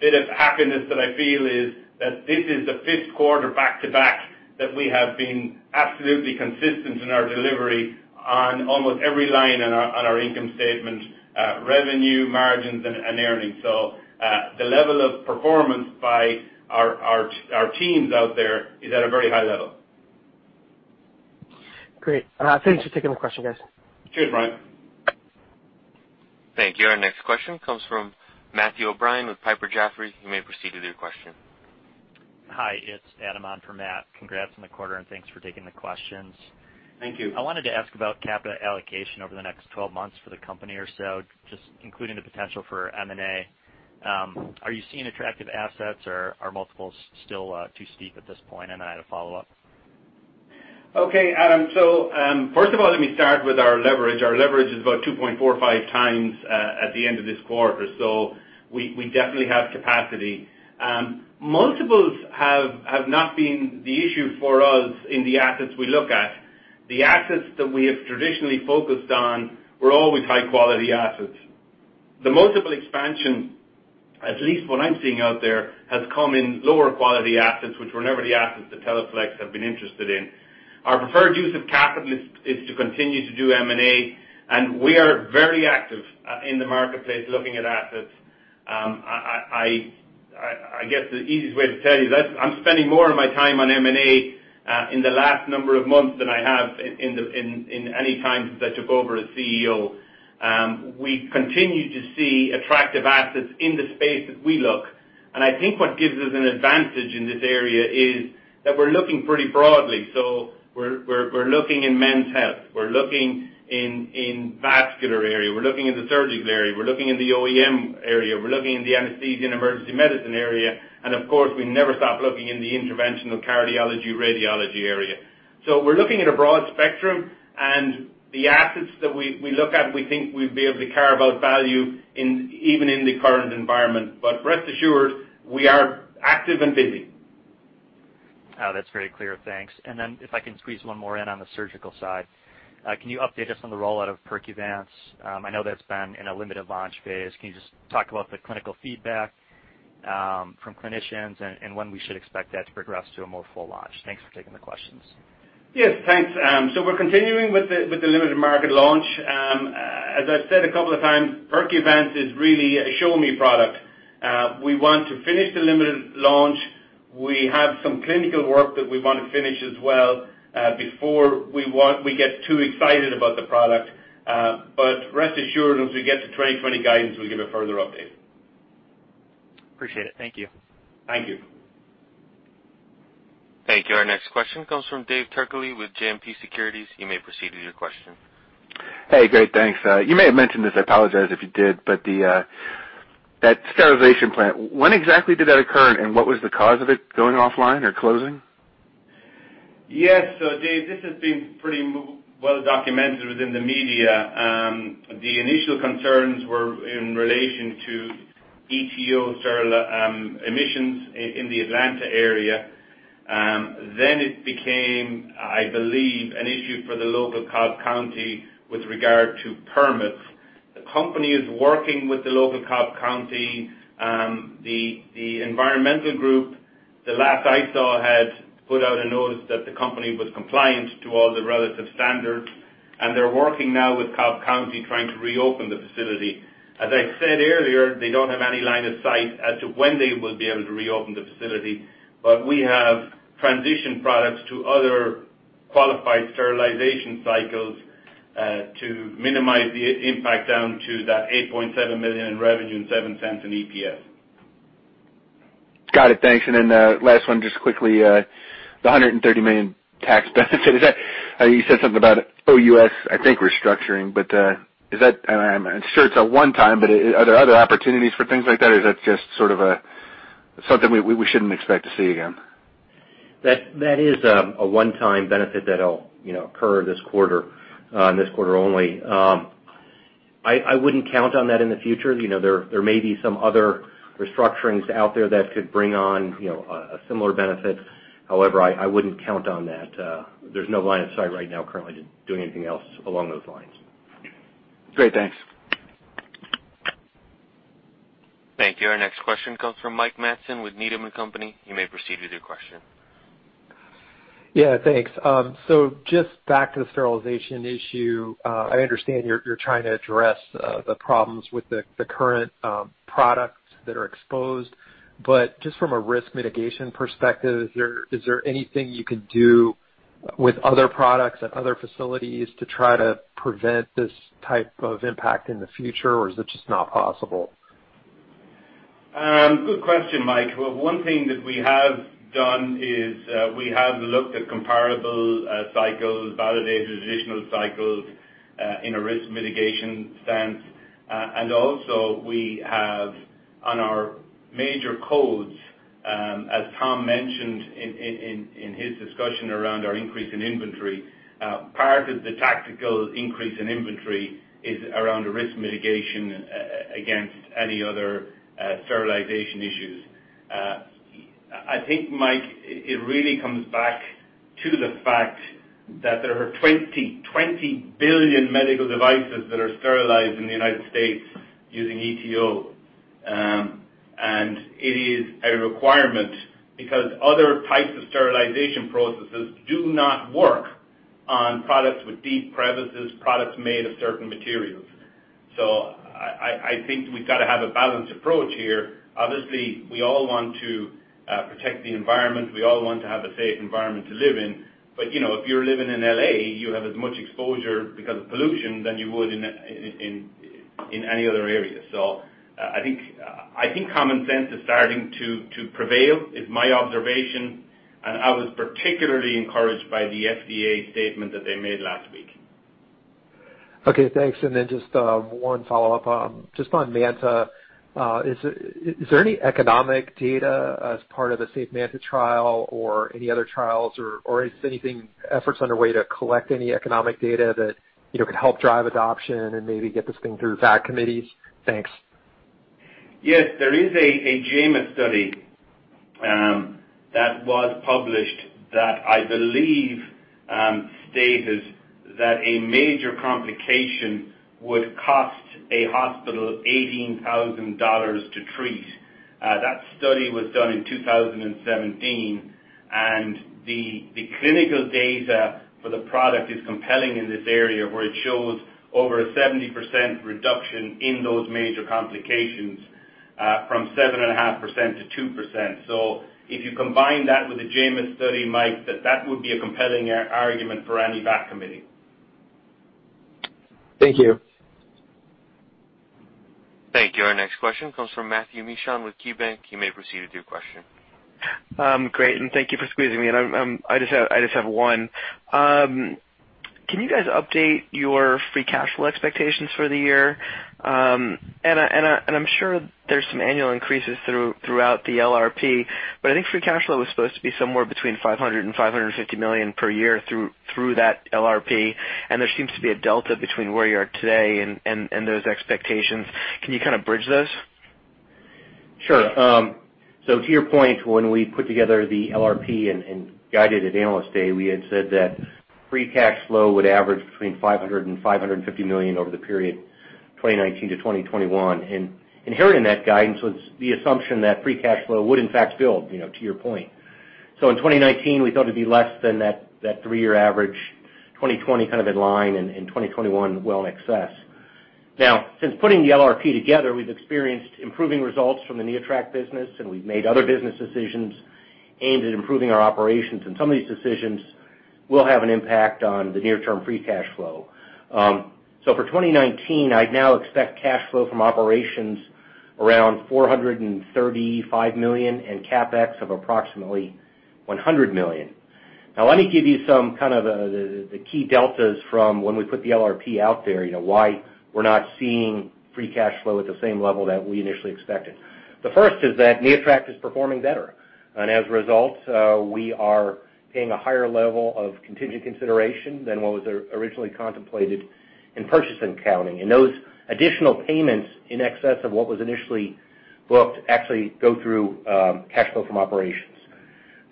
bit of happiness that I feel is that this is the fifth quarter back to back that we have been absolutely consistent in our delivery on almost every line on our income statement, revenue, margins, and earnings. The level of performance by our teams out there is at a very high level. Great. Thanks for taking the question, guys. Sure, Brian. Thank you. Our next question comes from Matthew O'Brien with Piper Jaffray. You may proceed with your question. Hi, it's Adam on for Matt. Congrats on the quarter, and thanks for taking the questions. Thank you. I wanted to ask about capital allocation over the next 12 months for the company or so, just including the potential for M&A. Are you seeing attractive assets, or are multiples still too steep at this point? I had a follow-up. Okay, Adam. First of all, let me start with our leverage. Our leverage is about 2.45 times at the end of this quarter. We definitely have capacity. Multiples have not been the issue for us in the assets we look at. The assets that we have traditionally focused on were always high-quality assets. The multiple expansion, at least what I'm seeing out there, has come in lower quality assets, which were never the assets that Teleflex have been interested in. Our preferred use of capital is to continue to do M&A. We are very active in the marketplace looking at assets. I guess the easiest way to tell you that I'm spending more of my time on M&A in the last number of months than I have in any time since I took over as CEO. We continue to see attractive assets in the space that we look. I think what gives us an advantage in this area is that we're looking pretty broadly. We're looking in men's health, we're looking in vascular area, we're looking in the surgical area, we're looking in the OEM area, we're looking in the anesthesia and emergency medicine area. Of course, we never stop looking in the interventional cardiology radiology area. We're looking at a broad spectrum. The assets that we look at, we think we'd be able to care about value even in the current environment. Rest assured, we are active and busy. That's very clear. Thanks. If I can squeeze one more in on the surgical side. Can you update us on the rollout of Percuvance? I know that's been in a limited launch phase. Can you just talk about the clinical feedback from clinicians and when we should expect that to progress to a more full launch? Thanks for taking the questions. Yes, thanks. We're continuing with the limited market launch. As I've said a couple of times, Percuvance is really a show-me product. We want to finish the limited launch. We have some clinical work that we want to finish as well before we get too excited about the product. Rest assured, as we get to 2020 guidance, we'll give a further update. Appreciate it. Thank you. Thank you. Thank you. Our next question comes from David Turkaly with JMP Securities. You may proceed with your question. Hey, great, thanks. You may have mentioned this, I apologize if you did, but that sterilization plant, when exactly did that occur, and what was the cause of it going offline or closing? Yes. Dave, this has been pretty well documented within the media. It became, I believe, an issue for the local Cobb County with regard to permits. The company is working with the local Cobb County. The environmental group, the last I saw, had put out a notice that the company was compliant to all the relative standards, and they're working now with Cobb County trying to reopen the facility. As I said earlier, they don't have any line of sight as to when they will be able to reopen the facility, but we have transitioned products to other qualified sterilization cycles, to minimize the impact down to that $8.7 million in revenue and $0.07 in EPS. Got it. Thanks. Last one, just quickly, the $130 million tax benefit. You said something about OUS, I think, restructuring. I'm sure it's a one-time, are there other opportunities for things like that? Is that just sort of something we shouldn't expect to see again? That is a one-time benefit that'll occur this quarter and this quarter only. I wouldn't count on that in the future. There may be some other restructurings out there that could bring on a similar benefit. However, I wouldn't count on that. There's no line of sight right now currently to doing anything else along those lines. Great. Thanks. Thank you. Our next question comes from Mike Matson with Needham & Company. You may proceed with your question. Yeah, thanks. Just back to the sterilization issue. I understand you're trying to address the problems with the current products that are exposed. Just from a risk mitigation perspective, is there anything you can do with other products at other facilities to try to prevent this type of impact in the future? Or is it just not possible? Good question, Mike. Well, one thing that we have done is we have looked at comparable cycles, validated additional cycles in a risk mitigation sense. Also we have on our major codes, as Tom mentioned in his discussion around our increase in inventory, part of the tactical increase in inventory is around a risk mitigation against any other sterilization issues. I think, Mike, it really comes back to the fact that there are 20 billion medical devices that are sterilized in the U.S. using ETO. It is a requirement because other types of sterilization processes do not work on products with deep crevices, products made of certain materials. I think we've got to have a balanced approach here. Obviously, we all want to protect the environment. We all want to have a safe environment to live in. If you're living in L.A., you have as much exposure because of pollution than you would in any other area. I think common sense is starting to prevail is my observation, and I was particularly encouraged by the FDA statement that they made last week. Okay, thanks. Just one follow-up just on MANTA. Is there any economic data as part of the SAFE MANTA trial or any other trials, or is anything efforts underway to collect any economic data that could help drive adoption and maybe get this thing through VAC committees? Thanks. There is a JMIS study that was published that I believe stated that a major complication would cost a hospital $18,000 to treat. That study was done in 2017, the clinical data for the product is compelling in this area, where it shows over a 70% reduction in those major complications, from 7.5% to 2%. If you combine that with the JMIS study, Mike, that would be a compelling argument for any VAC committee. Thank you. Thank you. Our next question comes from Matthew Mishan with KeyBank. You may proceed with your question. Great, thank you for squeezing me in. I just have one. Can you guys update your free cash flow expectations for the year? I'm sure there's some annual increases throughout the LRP. I think free cash flow was supposed to be somewhere between $500 million and $550 million per year through that LRP, and there seems to be a delta between where you are today and those expectations. Can you kind of bridge those? Sure. To your point, when we put together the LRP and guided at Analyst Day, we had said that free cash flow would average between $500 million and $550 million over the period 2019-2021. Inherent in that guidance was the assumption that free cash flow would in fact build, to your point. In 2019, we thought it'd be less than that three-year average, 2020 kind of in line, and 2021 well in excess. Since putting the LRP together, we've experienced improving results from the NeoTract business, and we've made other business decisions aimed at improving our operations, and some of these decisions will have an impact on the near-term free cash flow. For 2019, I'd now expect cash flow from operations around $435 million and CapEx of approximately $100 million. Now let me give you some kind of the key deltas from when we put the LRP out there, why we're not seeing free cash flow at the same level that we initially expected. The first is that NeoTract is performing better. As a result, we are paying a higher level of contingent consideration than what was originally contemplated in purchase accounting. Those additional payments in excess of what was initially. Booked actually go through, cash flow from operations.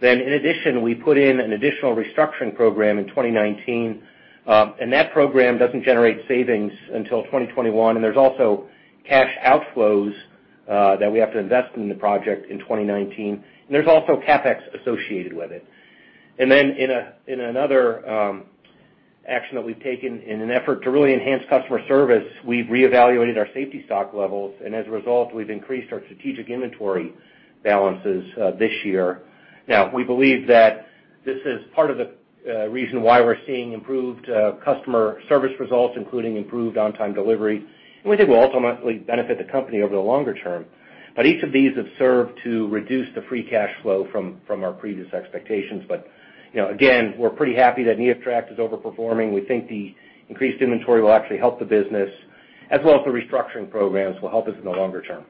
In addition, we put in an additional restructuring program in 2019. That program doesn't generate savings until 2021. There's also cash outflows that we have to invest in the project in 2019. There's also CapEx associated with it. In another action that we've taken in an effort to really enhance customer service, we've reevaluated our safety stock levels. As a result, we've increased our strategic inventory balances this year. We believe that this is part of the reason why we're seeing improved customer service results, including improved on-time delivery. We think we'll ultimately benefit the company over the longer term. Each of these have served to reduce the free cash flow from our previous expectations. Again, we're pretty happy that NeoTract is overperforming. We think the increased inventory will actually help the business, as well as the restructuring programs will help us in the longer term.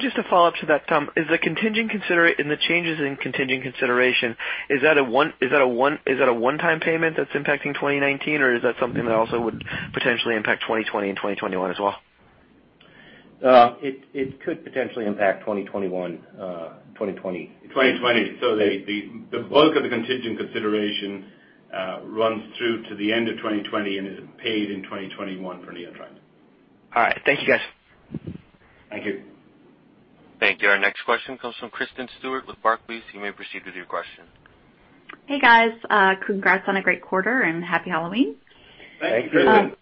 Just a follow-up to that, Tom. Is the changes in contingent consideration, is that a one-time payment that's impacting 2019, or is that something that also would potentially impact 2020 and 2021 as well? It could potentially impact 2021, 2020. 2020. The bulk of the contingent consideration runs through to the end of 2020 and is paid in 2021 for NeoTract. All right. Thank you, guys. Thank you. Thank you. Our next question comes from Kristen Stewart with Barclays. You may proceed with your question. Hey, guys. Congrats on a great quarter, and Happy Halloween. Thank you. Thank you.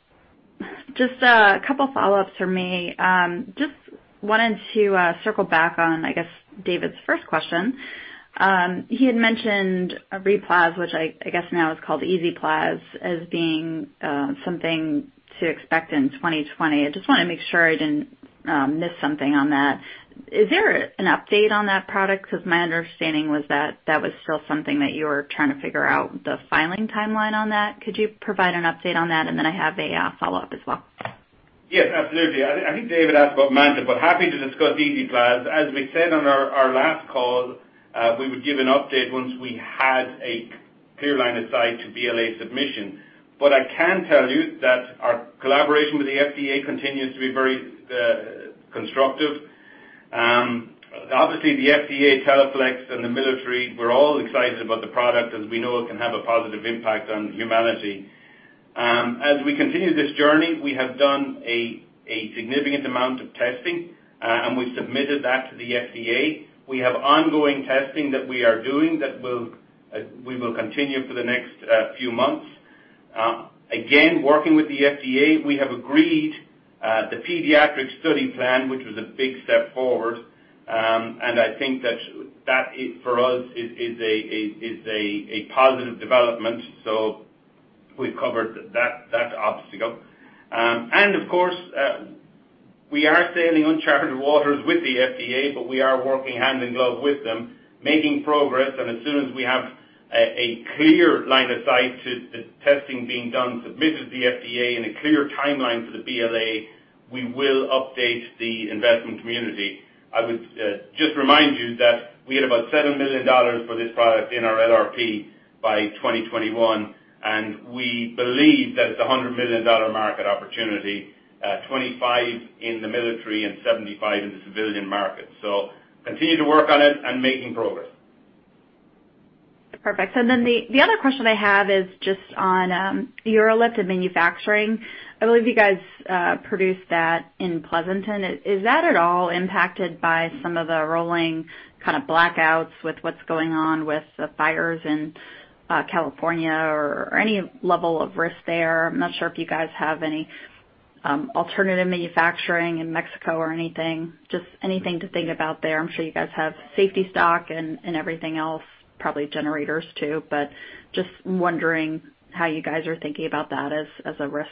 Just a couple follow-ups from me. Just wanted to circle back on, I guess, David's first question. He had mentioned RePlas, which I guess now is called EZPLAZ, as being something to expect in 2020. I just wanna make sure I didn't miss something on that. Is there an update on that product? 'Cause my understanding was that that was still something that you were trying to figure out the filing timeline on that. Could you provide an update on that? I have a follow-up as well. Yes, absolutely. I think David asked about MANTA, happy to discuss EZPLAZ. As we said on our last call, we would give an update once we had a clear line of sight to BLA submission. I can tell you that our collaboration with the FDA continues to be very constructive. Obviously, the FDA, Teleflex, and the military, we're all excited about the product as we know it can have a positive impact on humanity. As we continue this journey, we have done a significant amount of testing, and we've submitted that to the FDA. We have ongoing testing that we are doing that will, we will continue for the next few months. Again, working with the FDA, we have agreed the pediatric study plan, which was a big step forward, and I think that that is, for us, is a positive development. We've covered that obstacle. Of course, we are sailing uncharted waters with the FDA, but we are working hand in glove with them, making progress, and as soon as we have a clear line of sight to the testing being done, submitted to the FDA and a clear timeline for the BLA, we will update the investment community. I would just remind you that we had about $7 million for this product in our LRP by 2021, we believe that it's a $100 million market opportunity, 25 in the military and 75 in the civilian market. Continue to work on it and making progress. Perfect. The other question I have is just on UroLift and manufacturing. I believe you guys produced that in Pleasanton. Is that at all impacted by some of the rolling kind of blackouts with what's going on with the fires in California or any level of risk there? I'm not sure if you guys have any alternative manufacturing in Mexico or anything. Just anything to think about there. I'm sure you guys have safety stock and everything else, probably generators too, but just wondering how you guys are thinking about that as a risk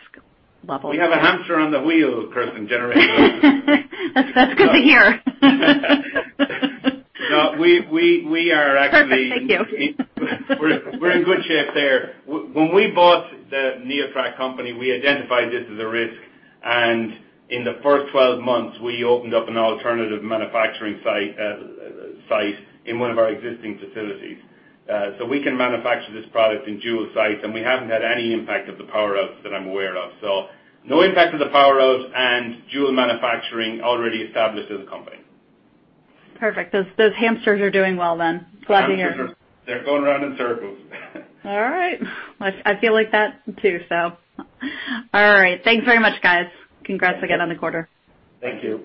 level. We have a hamster on the wheel, Kristen. That's good to hear. No. Perfect. Thank you. We're in good shape there. When we bought the NeoTract company, we identified this as a risk, and in the first 12 months, we opened up an alternative manufacturing site in one of our existing facilities. We can manufacture this product in dual sites, and we haven't had any impact of the power outs that I'm aware of. No impact of the power outs and dual manufacturing already established as a company. Perfect. Those, those hamsters are doing well then. Glad to hear. They're going around in circles. All right. Well, I feel like that too. All right. Thanks very much, guys. Congrats again on the quarter. Thank you.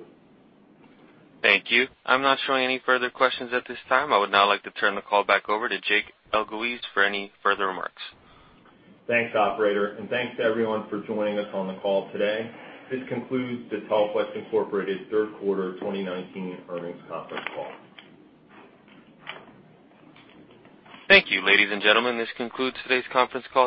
Thank you. I'm not showing any further questions at this time. I would now like to turn the call back over to Jake Elguicze for any further remarks. Thanks, operator. Thanks to everyone for joining us on the call today. This concludes the Teleflex Incorporated third quarter 2019 earnings conference call. Thank you, ladies and gentlemen. This concludes today's conference call.